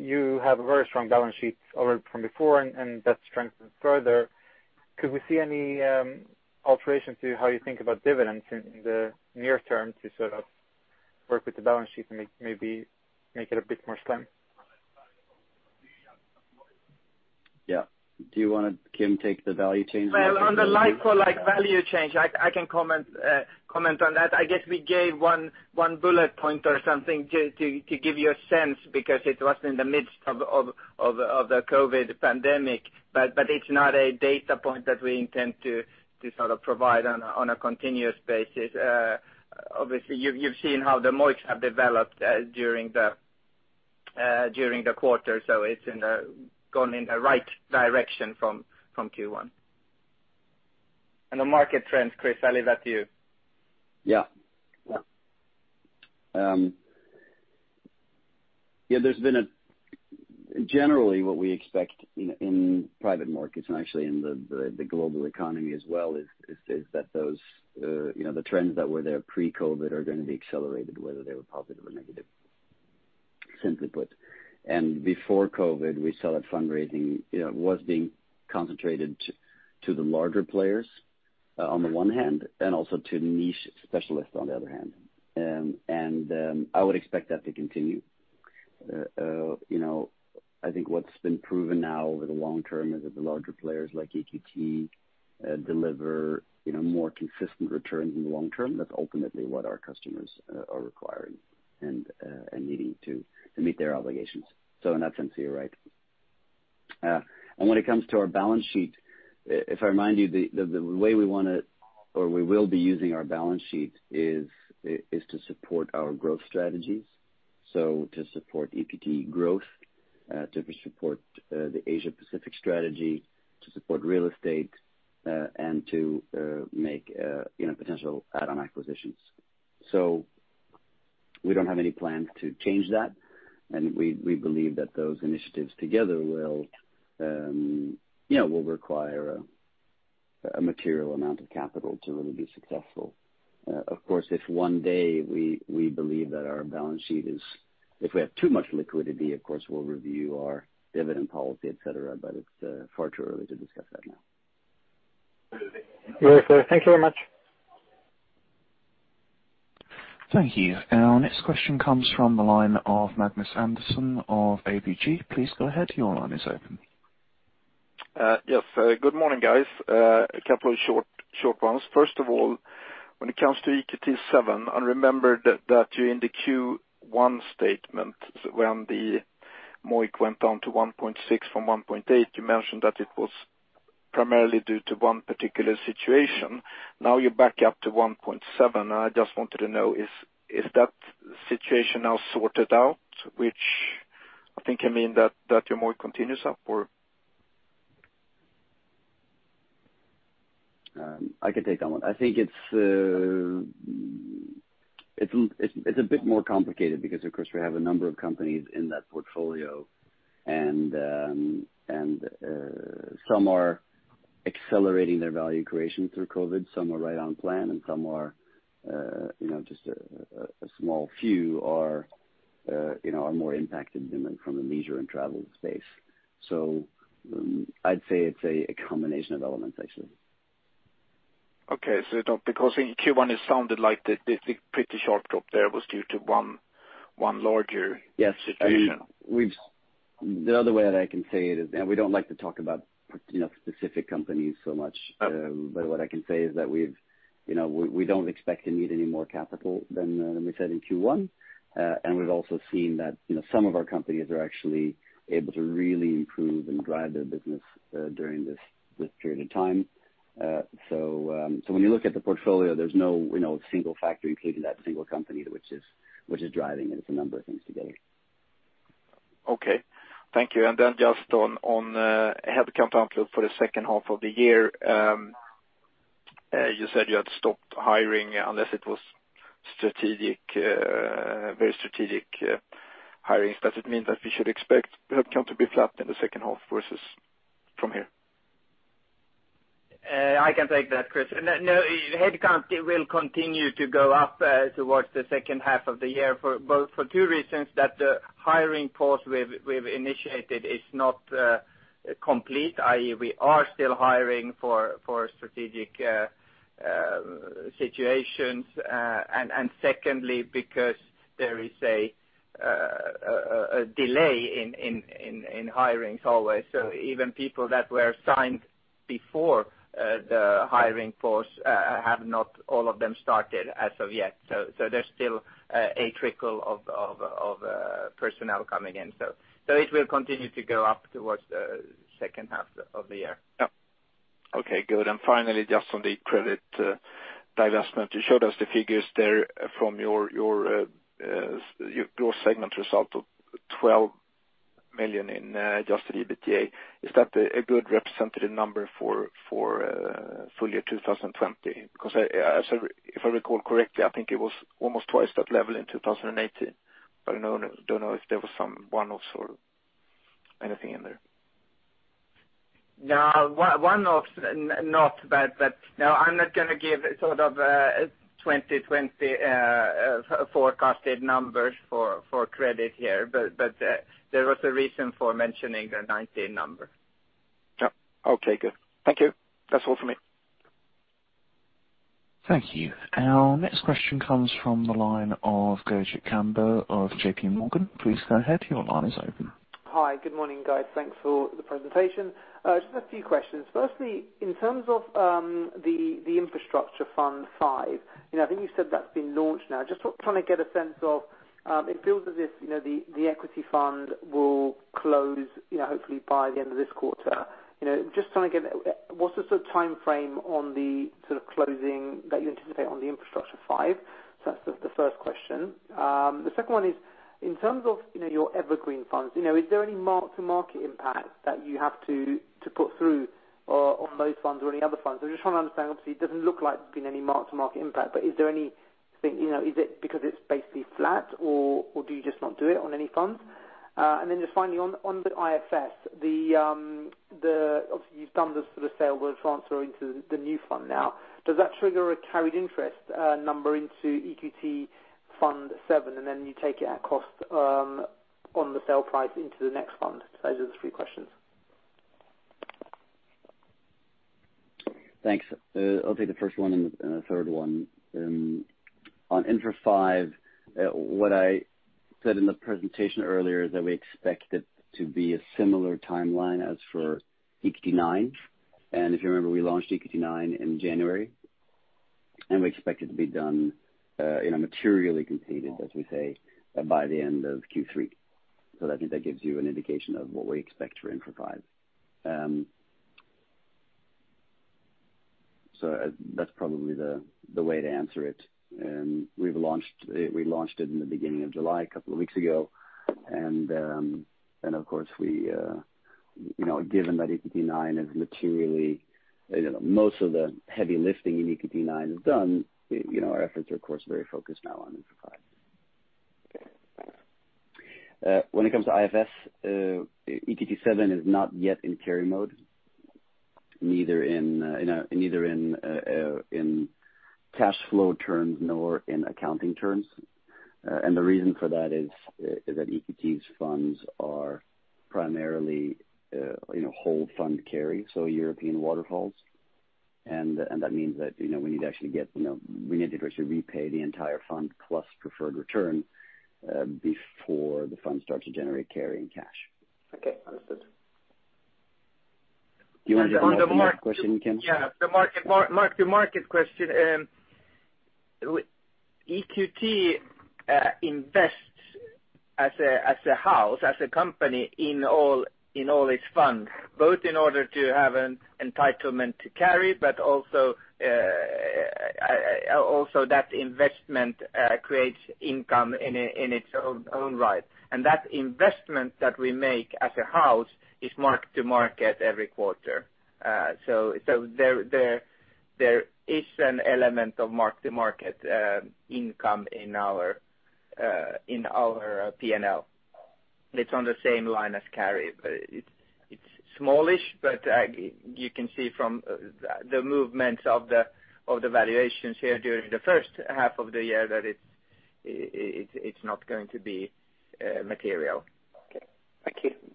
you have a very strong balance sheet already from before and that strengthened further. Could we see any alteration to how you think about dividends in the near term to sort of work with the balance sheet and maybe make it a bit more slim? Yeah. Do you want Kim take the value change? Well, on the like for like value change, I can comment on that. I guess we gave one bullet point or something to give you a sense, because it was in the midst of the COVID pandemic. It's not a data point that we intend to sort of provide on a continuous basis. Obviously, you've seen how the MOIC have developed during the quarter, it's gone in the right direction from Q1. The market trends, Chris, I leave that to you. Yeah. Generally what we expect in private markets, and actually in the global economy as well, is that those trends that were there pre-COVID are going to be accelerated, whether they were positive or negative, simply put. Before COVID, we saw that fundraising was being concentrated to the larger players on the one hand, and also to niche specialists on the other hand. I would expect that to continue. I think what's been proven now over the long term is that the larger players like EQT deliver more consistent returns in the long term. That's ultimately what our customers are requiring and needing to meet their obligations. In that sense, you're right. When it comes to our balance sheet, if I remind you, the way we will be using our balance sheet is to support our growth strategies. To support EQT Growth, to support the Asia Pacific strategy, to support real estate, and to make potential add-on acquisitions. We don't have any plans to change that, and we believe that those initiatives together will require a material amount of capital to really be successful. Of course, if one day we believe that our balance sheet if we have too much liquidity, of course we'll review our dividend policy, et cetera, but it's far too early to discuss that now. Very clear. Thank you very much. Thank you. Our next question comes from the line of Magnus Andersson of ABG. Please go ahead. Your line is open. Yes. Good morning, guys. A couple of short ones. First of all, when it comes to EQT VII, I remember that you, in the Q1 statement when the MOIC went down to 1.6 from 1.8. You mentioned that it was primarily due to one particular situation. You're back up to 1.7. I just wanted to know, is that situation now sorted out? Which I think can mean that your MOIC continues up, or I can take that one. I think it's a bit more complicated because, of course, we have a number of companies in that portfolio, and some are accelerating their value creation through COVID, some are right on plan, and some are, just a small few are more impacted from a leisure and travel space. I'd say it's a combination of elements, actually. Okay. Because in Q1 it sounded like the pretty sharp drop there was due to one larger- Yes situation. The other way that I can say it is, we don't like to talk about specific companies so much. Okay. What I can say is that we don't expect to need any more capital than we said in Q1. We've also seen that some of our companies are actually able to really improve and drive their business during this period in time. When you look at the portfolio, there's no single factor, including that single company, which is driving it. It's a number of things together. Okay. Thank you. Just on the headcount outlook for the second half of the year. You said you had stopped hiring unless it was very strategic hirings. Does it mean that we should expect headcount to be flat in the second half versus from here? I can take that, Chris. No, headcount will continue to go up towards the second half of the year for two reasons, that the hiring pause we've initiated is not complete, i.e., we are still hiring for strategic situations. Secondly, because there is a delay in hirings always. Even people that were signed before the hiring pause have not all of them started as of yet. There's still a trickle of personnel coming in. It will continue to go up towards the second half of the year. Yep. Okay, good. Finally, just on the credit divestment, you showed us the figures there from your segment result of 12 million in adjusted EBITDA. Is that a good representative number for full year 2020? If I recall correctly, I think it was almost twice that level in 2018, but don't know if there was some one-offs or anything in there. No, one-offs, not. No, I'm not going to give sort of 2020 forecasted numbers for credit here, but there was a reason for mentioning the 2019 number. Yep. Okay, good. Thank you. That's all for me. Thank you. Our next question comes from the line of Goji Kambha of JP Morgan. Please go ahead. Your line is open. Hi. Good morning, guys. Thanks for the presentation. Just a few questions. In terms of the Infrastructure Fund V, I think you said that's been launched now. Just trying to get a sense of, it feels as if the Equity Fund will close hopefully by the end of this quarter. What's the sort of timeframe on the sort of closing that you anticipate on the Infrastructure V? That's the first question. The second one is in terms of your evergreen funds, is there any mark-to-market impact that you have to put through on those funds or any other funds? I'm just trying to understand. Obviously, it doesn't look like there's been any mark-to-market impact, is it because it's basically flat, or do you just not do it on any funds? Just finally on the IFS, obviously you've done the sort of sale, but it's transferring to the new fund now. Does that trigger a carried interest number into EQT Fund VII, and then you take it at cost on the sale price into the next fund? Those are the three questions. Thanks. I'll take the first one and the third one. On Infra V, what I said in the presentation earlier, that we expect it to be a similar timeline as for EQT IX. If you remember, we launched EQT IX in January, and we expect it to be done, materially completed, as we say, by the end of Q3. I think that gives you an indication of what we expect for Infra V. That's probably the way to answer it. We launched it in the beginning of July, a couple of weeks ago. Of course, given that EQT IX is materially most of the heavy lifting in EQT IX is done, our efforts are of course very focused now on Infra V. When it comes to IFS, EQT VII is not yet in carry mode, neither in cash flow terms nor in accounting terms. The reason for that is that EQT's funds are primarily whole fund carry, so European waterfalls. That means that we need to actually repay the entire fund plus preferred return before the fund starts to generate carry and cash. Okay. Understood. Do you want the mark-to-market question, Kim? Yeah, the mark-to-market question. EQT invests as a house, as a company in all its funds, both in order to have an entitlement to carry, but also that investment creates income in its own right. That investment that we make as a house is mark-to-market every quarter. There is an element of mark-to-market income in our P&L. It's on the same line as carry. It's smallish, but you can see from the movements of the valuations here during the first half of the year that it's not going to be material. Okay. Thank you.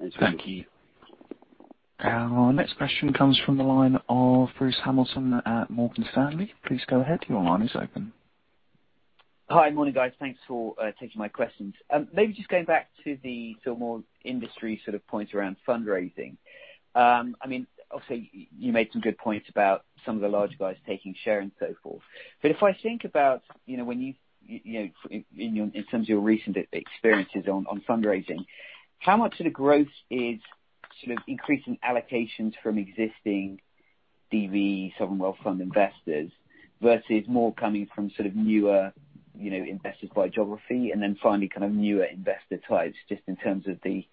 Thank you. Thank you. Our next question comes from the line of Bruce Hamilton at Morgan Stanley. Please go ahead. Your line is open. Hi. Morning, guys. Thanks for taking my questions. Maybe just going back to the more industry points around fundraising. Obviously, you made some good points about some of the larger guys taking share and so forth. If I think about in terms of your recent experiences on fundraising, how much of the growth is increasing allocations from existing DV sovereign wealth fund investors versus more coming from newer investors by geography, and then finally, newer investor types, just in terms of the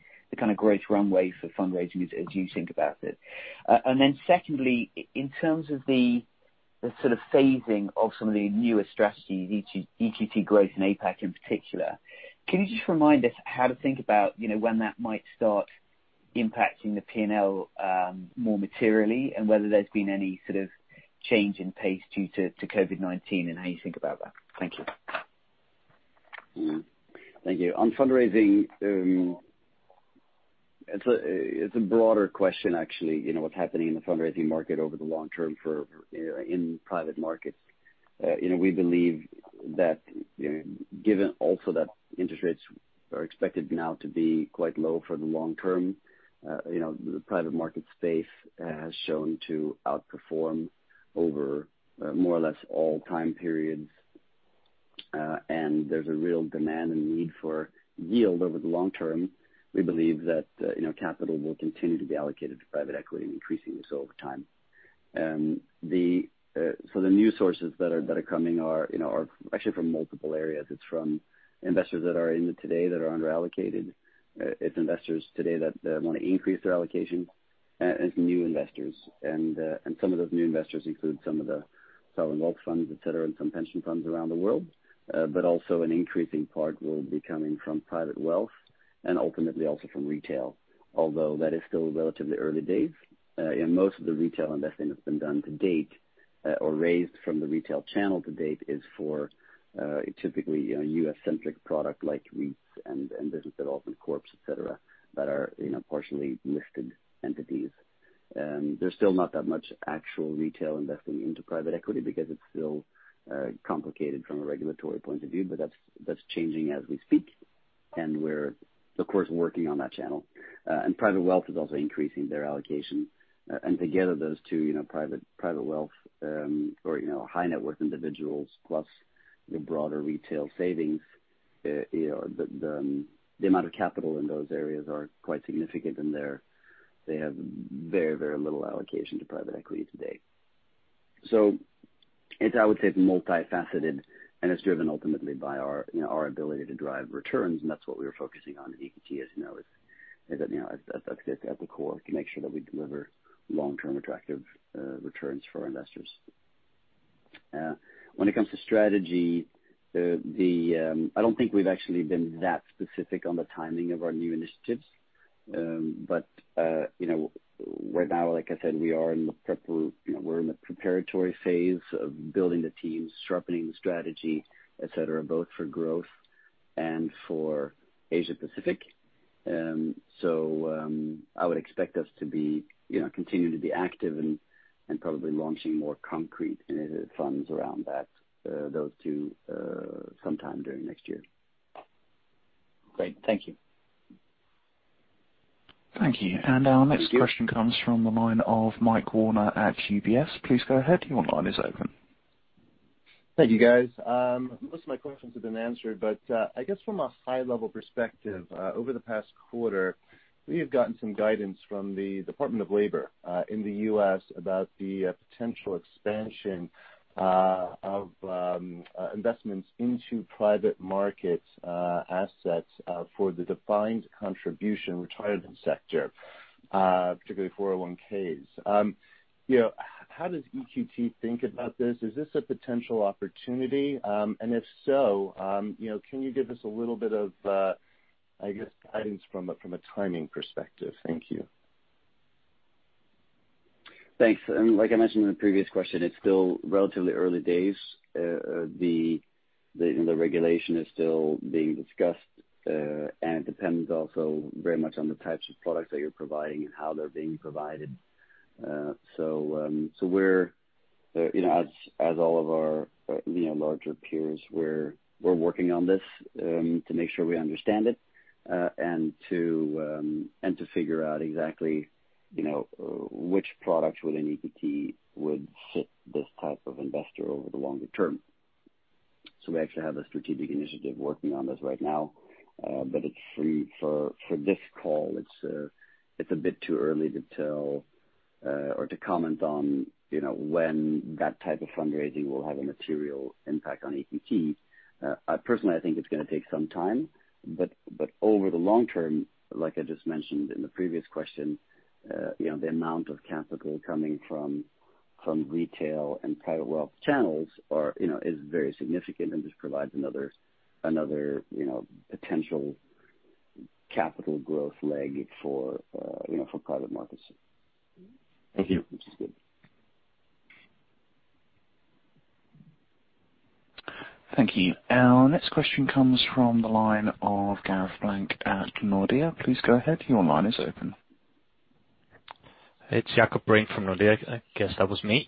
growth runway for fundraising as you think about it? Secondly, in terms of the phasing of some of the newer strategies, EQT Growth and APAC in particular, can you just remind us how to think about when that might start impacting the P&L more materially, and whether there's been any change in pace due to COVID-19, and how you think about that? Thank you. Thank you. On fundraising, it's a broader question, actually, what's happening in the fundraising market over the long term in private markets. We believe that given also that interest rates are expected now to be quite low for the long term, the private market space has shown to outperform over more or less all time periods, and there's a real demand and need for yield over the long term. We believe that capital will continue to be allocated to private equity and increasing this over time. The new sources that are coming are actually from multiple areas. It's from investors that are in it today that are under-allocated. It's investors today that want to increase their allocation, and it's new investors. Some of those new investors include some of the sovereign wealth funds, et cetera, and some pension funds around the world. Also an increasing part will be coming from private wealth and ultimately also from retail, although that is still relatively early days. Most of the retail investing that's been done to date, or raised from the retail channel to date, is for typically a U.S.-centric product like REITs and business development corps, etc., that are partially listed entities. There's still not that much actual retail investing into private equity because it's still complicated from a regulatory point of view, but that's changing as we speak. We're of course working on that channel. Private wealth is also increasing their allocation. Together, those two, private wealth or high-net-worth individuals plus the broader retail savings, the amount of capital in those areas are quite significant, and they have very, very little allocation to private equity to date. It's, I would say, multifaceted, and it's driven ultimately by our ability to drive returns, and that's what we are focusing on at EQT, as you know. That's at the core, to make sure that we deliver long-term attractive returns for our investors. When it comes to strategy, I don't think we've actually been that specific on the timing of our new initiatives. Right now, like I said, we are in the preparatory phase of building the teams, sharpening the strategy, et cetera, both for EQT Growth and for Asia Pacific. I would expect us to continue to be active and probably launching more concrete funds around those two sometime during next year. Great. Thank you. Thank you. Our next question comes from the line of Michael Werner at UBS. Please go ahead. Your line is open. Thank you, guys. Most of my questions have been answered, but I guess from a high-level perspective, over the past quarter, we have gotten some guidance from the Department of Labor in the U.S. about the potential expansion of investments into private market assets for the defined contribution retirement sector, particularly 401(k)s. How does EQT think about this? Is this a potential opportunity? If so, can you give us a little bit of, I guess, guidance from a timing perspective? Thank you. Thanks. Like I mentioned in the previous question, it's still relatively early days. The regulation is still being discussed. It depends also very much on the types of products that you're providing and how they're being provided. As all of our larger peers, we're working on this to make sure we understand it, to figure out exactly which products within EQT would fit this type of investor over the longer term. We actually have a strategic initiative working on this right now. For this call, it's a bit too early to tell or to comment on when that type of fundraising will have a material impact on EQT. Personally, I think it's going to take some time, but over the long term, like I just mentioned in the previous question, the amount of capital coming from retail and private wealth channels is very significant and just provides another potential capital growth leg for private markets. Thank you. Which is good. Thank you. Our next question comes from the line of Jakob Brink at Nordea. Please go ahead. Your line is open. It's Jakob Brink from Nordea. I guess that was me.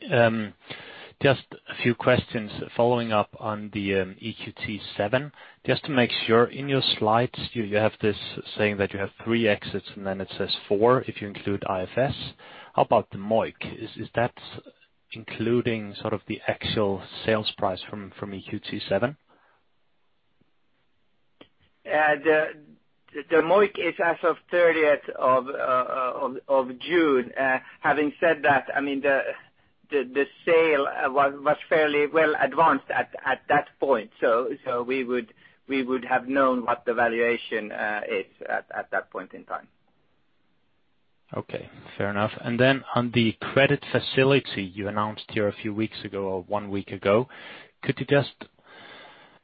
Just a few questions following up on the EQT VII, just to make sure. In your slides, you have this saying that you have three exits, then it says four, if you include IFS. How about the MOIC? Is that including sort of the actual sales price from EQT VII? The MOIC is as of 30th of June. Having said that, the sale was fairly well advanced at that point, so we would have known what the valuation is at that point in time. Okay, fair enough. On the credit facility you announced here a few weeks ago or one week ago,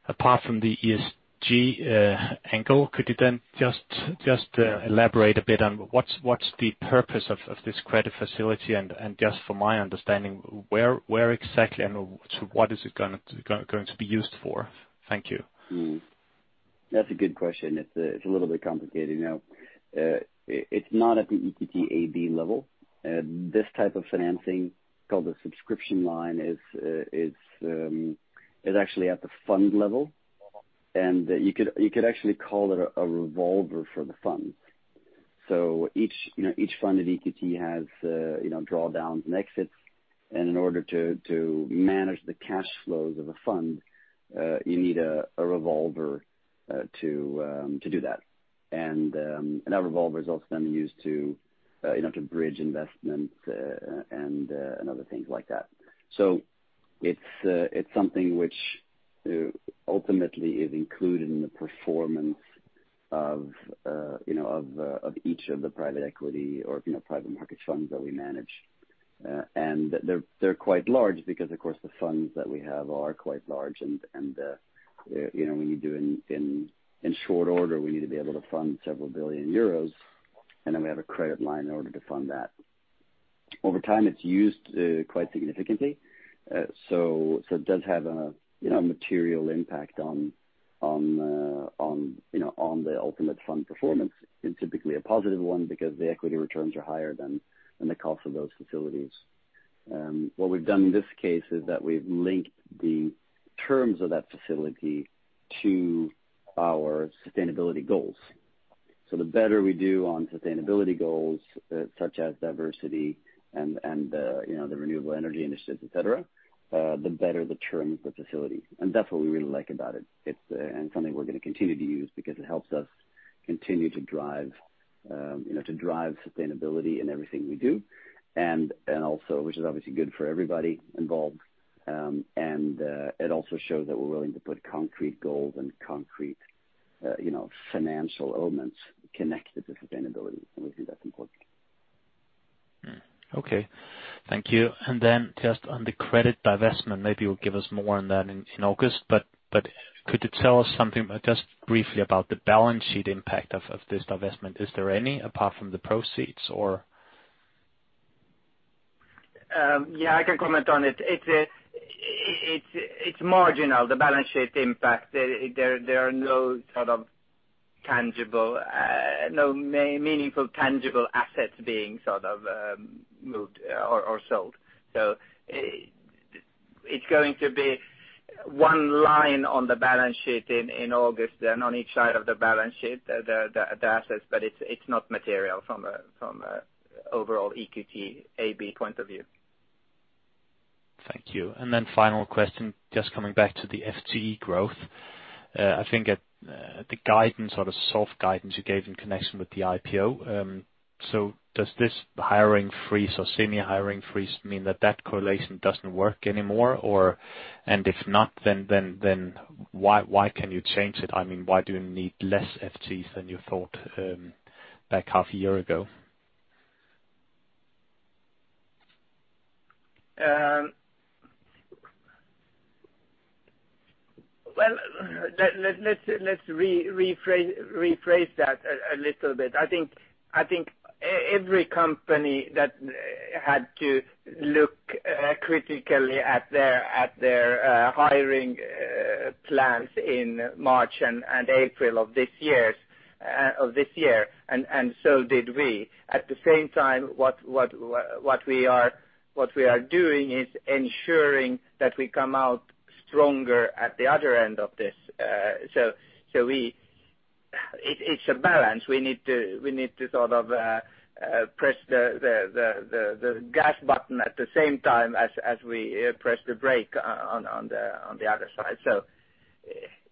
apart from the ESG angle, could you then just elaborate a bit on what's the purpose of this credit facility, and just for my understanding, where exactly and what is it going to be used for? Thank you. That's a good question. It's a little bit complicated now. It's not at the EQT AB level. This type of financing, called a subscription line, is actually at the fund level. You could actually call it a revolver for the fund. Each fund at EQT has drawdowns and exits, and in order to manage the cash flows of a fund, you need a revolver to do that. That revolver is also then used to bridge investments and other things like that. It's something which ultimately is included in the performance of each of the private equity or private market funds that we manage. They're quite large because, of course, the funds that we have are quite large, and in short order, we need to be able to fund several billion EUR, and then we have a credit line in order to fund that. Over time, it's used quite significantly. It does have a material impact on the ultimate fund performance. It's typically a positive one because the equity returns are higher than the cost of those facilities. What we've done in this case is that we've linked the terms of that facility to our sustainability goals. The better we do on sustainability goals, such as diversity and the renewable energy initiatives, et cetera, the better the terms of the facility. That's what we really like about it, and something we're going to continue to use because it helps us continue to drive sustainability in everything we do, which is obviously good for everybody involved. It also shows that we're willing to put concrete goals and concrete financial elements connected to sustainability, and we think that's important. Okay. Thank you. Then just on the credit divestment, maybe you'll give us more on that in August. Could you tell us something, just briefly, about the balance sheet impact of this divestment? Is there any, apart from the proceeds or? Yeah, I can comment on it. It's marginal, the balance sheet impact. There are no meaningful tangible assets being sort of moved or sold. It's going to be one line on the balance sheet in August, and on each side of the balance sheet, the assets, but it's not material from an overall EQT AB point of view. Thank you. Final question, just coming back to the FTE growth. I think the guidance or the soft guidance you gave in connection with the IPO. Does this hiring freeze or senior hiring freeze mean that that correlation doesn't work anymore? If not, why can you change it? Why do you need less FTEs than you thought back half a year ago? Well, let's rephrase that a little bit. I think every company that had to look critically at their hiring plans in March and April of this year, and so did we. At the same time, what we are doing is ensuring that we come out stronger at the other end of this. It's a balance. We need to sort of press the gas button at the same time as we press the brake on the other side.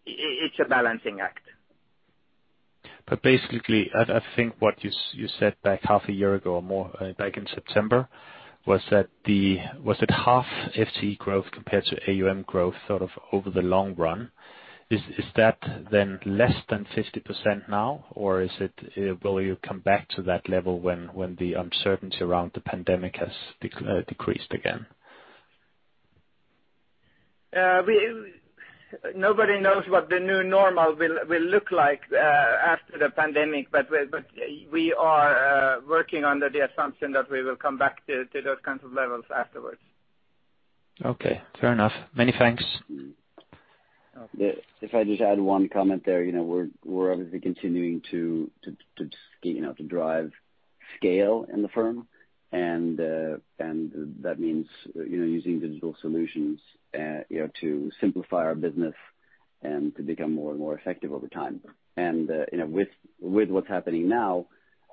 It's a balancing act. Basically, I think what you said back half a year ago or more back in September, was that half FTE growth compared to AUM growth sort of over the long run. Is that then less than 50% now, or will you come back to that level when the uncertainty around the pandemic has decreased again? Nobody knows what the new normal will look like after the pandemic, but we are working under the assumption that we will come back to those kinds of levels afterwards. Okay. Fair enough. Many thanks. If I just add one comment there. We're obviously continuing to drive scale in the firm, and that means using digital solutions to simplify our business and to become more and more effective over time. With what's happening now,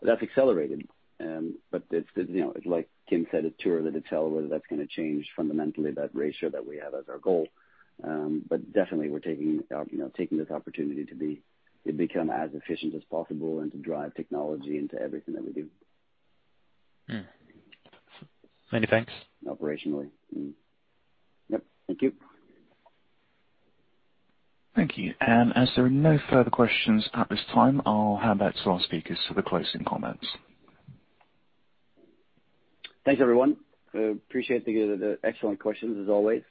that's accelerated. It's like Kim said, it's too early to tell whether that's going to change fundamentally that ratio that we have as our goal. Definitely we're taking this opportunity to become as efficient as possible and to drive technology into everything that we do. Many thanks. Operationally. Yep. Thank you. Thank you. As there are no further questions at this time, I'll hand back to our speakers for the closing comments. Thanks, everyone. Appreciate the excellent questions as always.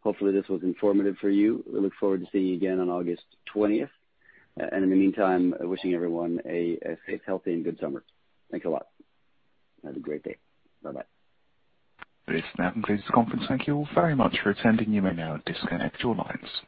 Hopefully this was informative for you. We look forward to seeing you again on August 20th. In the meantime, wishing everyone a safe, healthy, and good summer. Thanks a lot. Have a great day. Bye-bye. This now concludes the conference. Thank you all very much for attending. You may now disconnect your lines.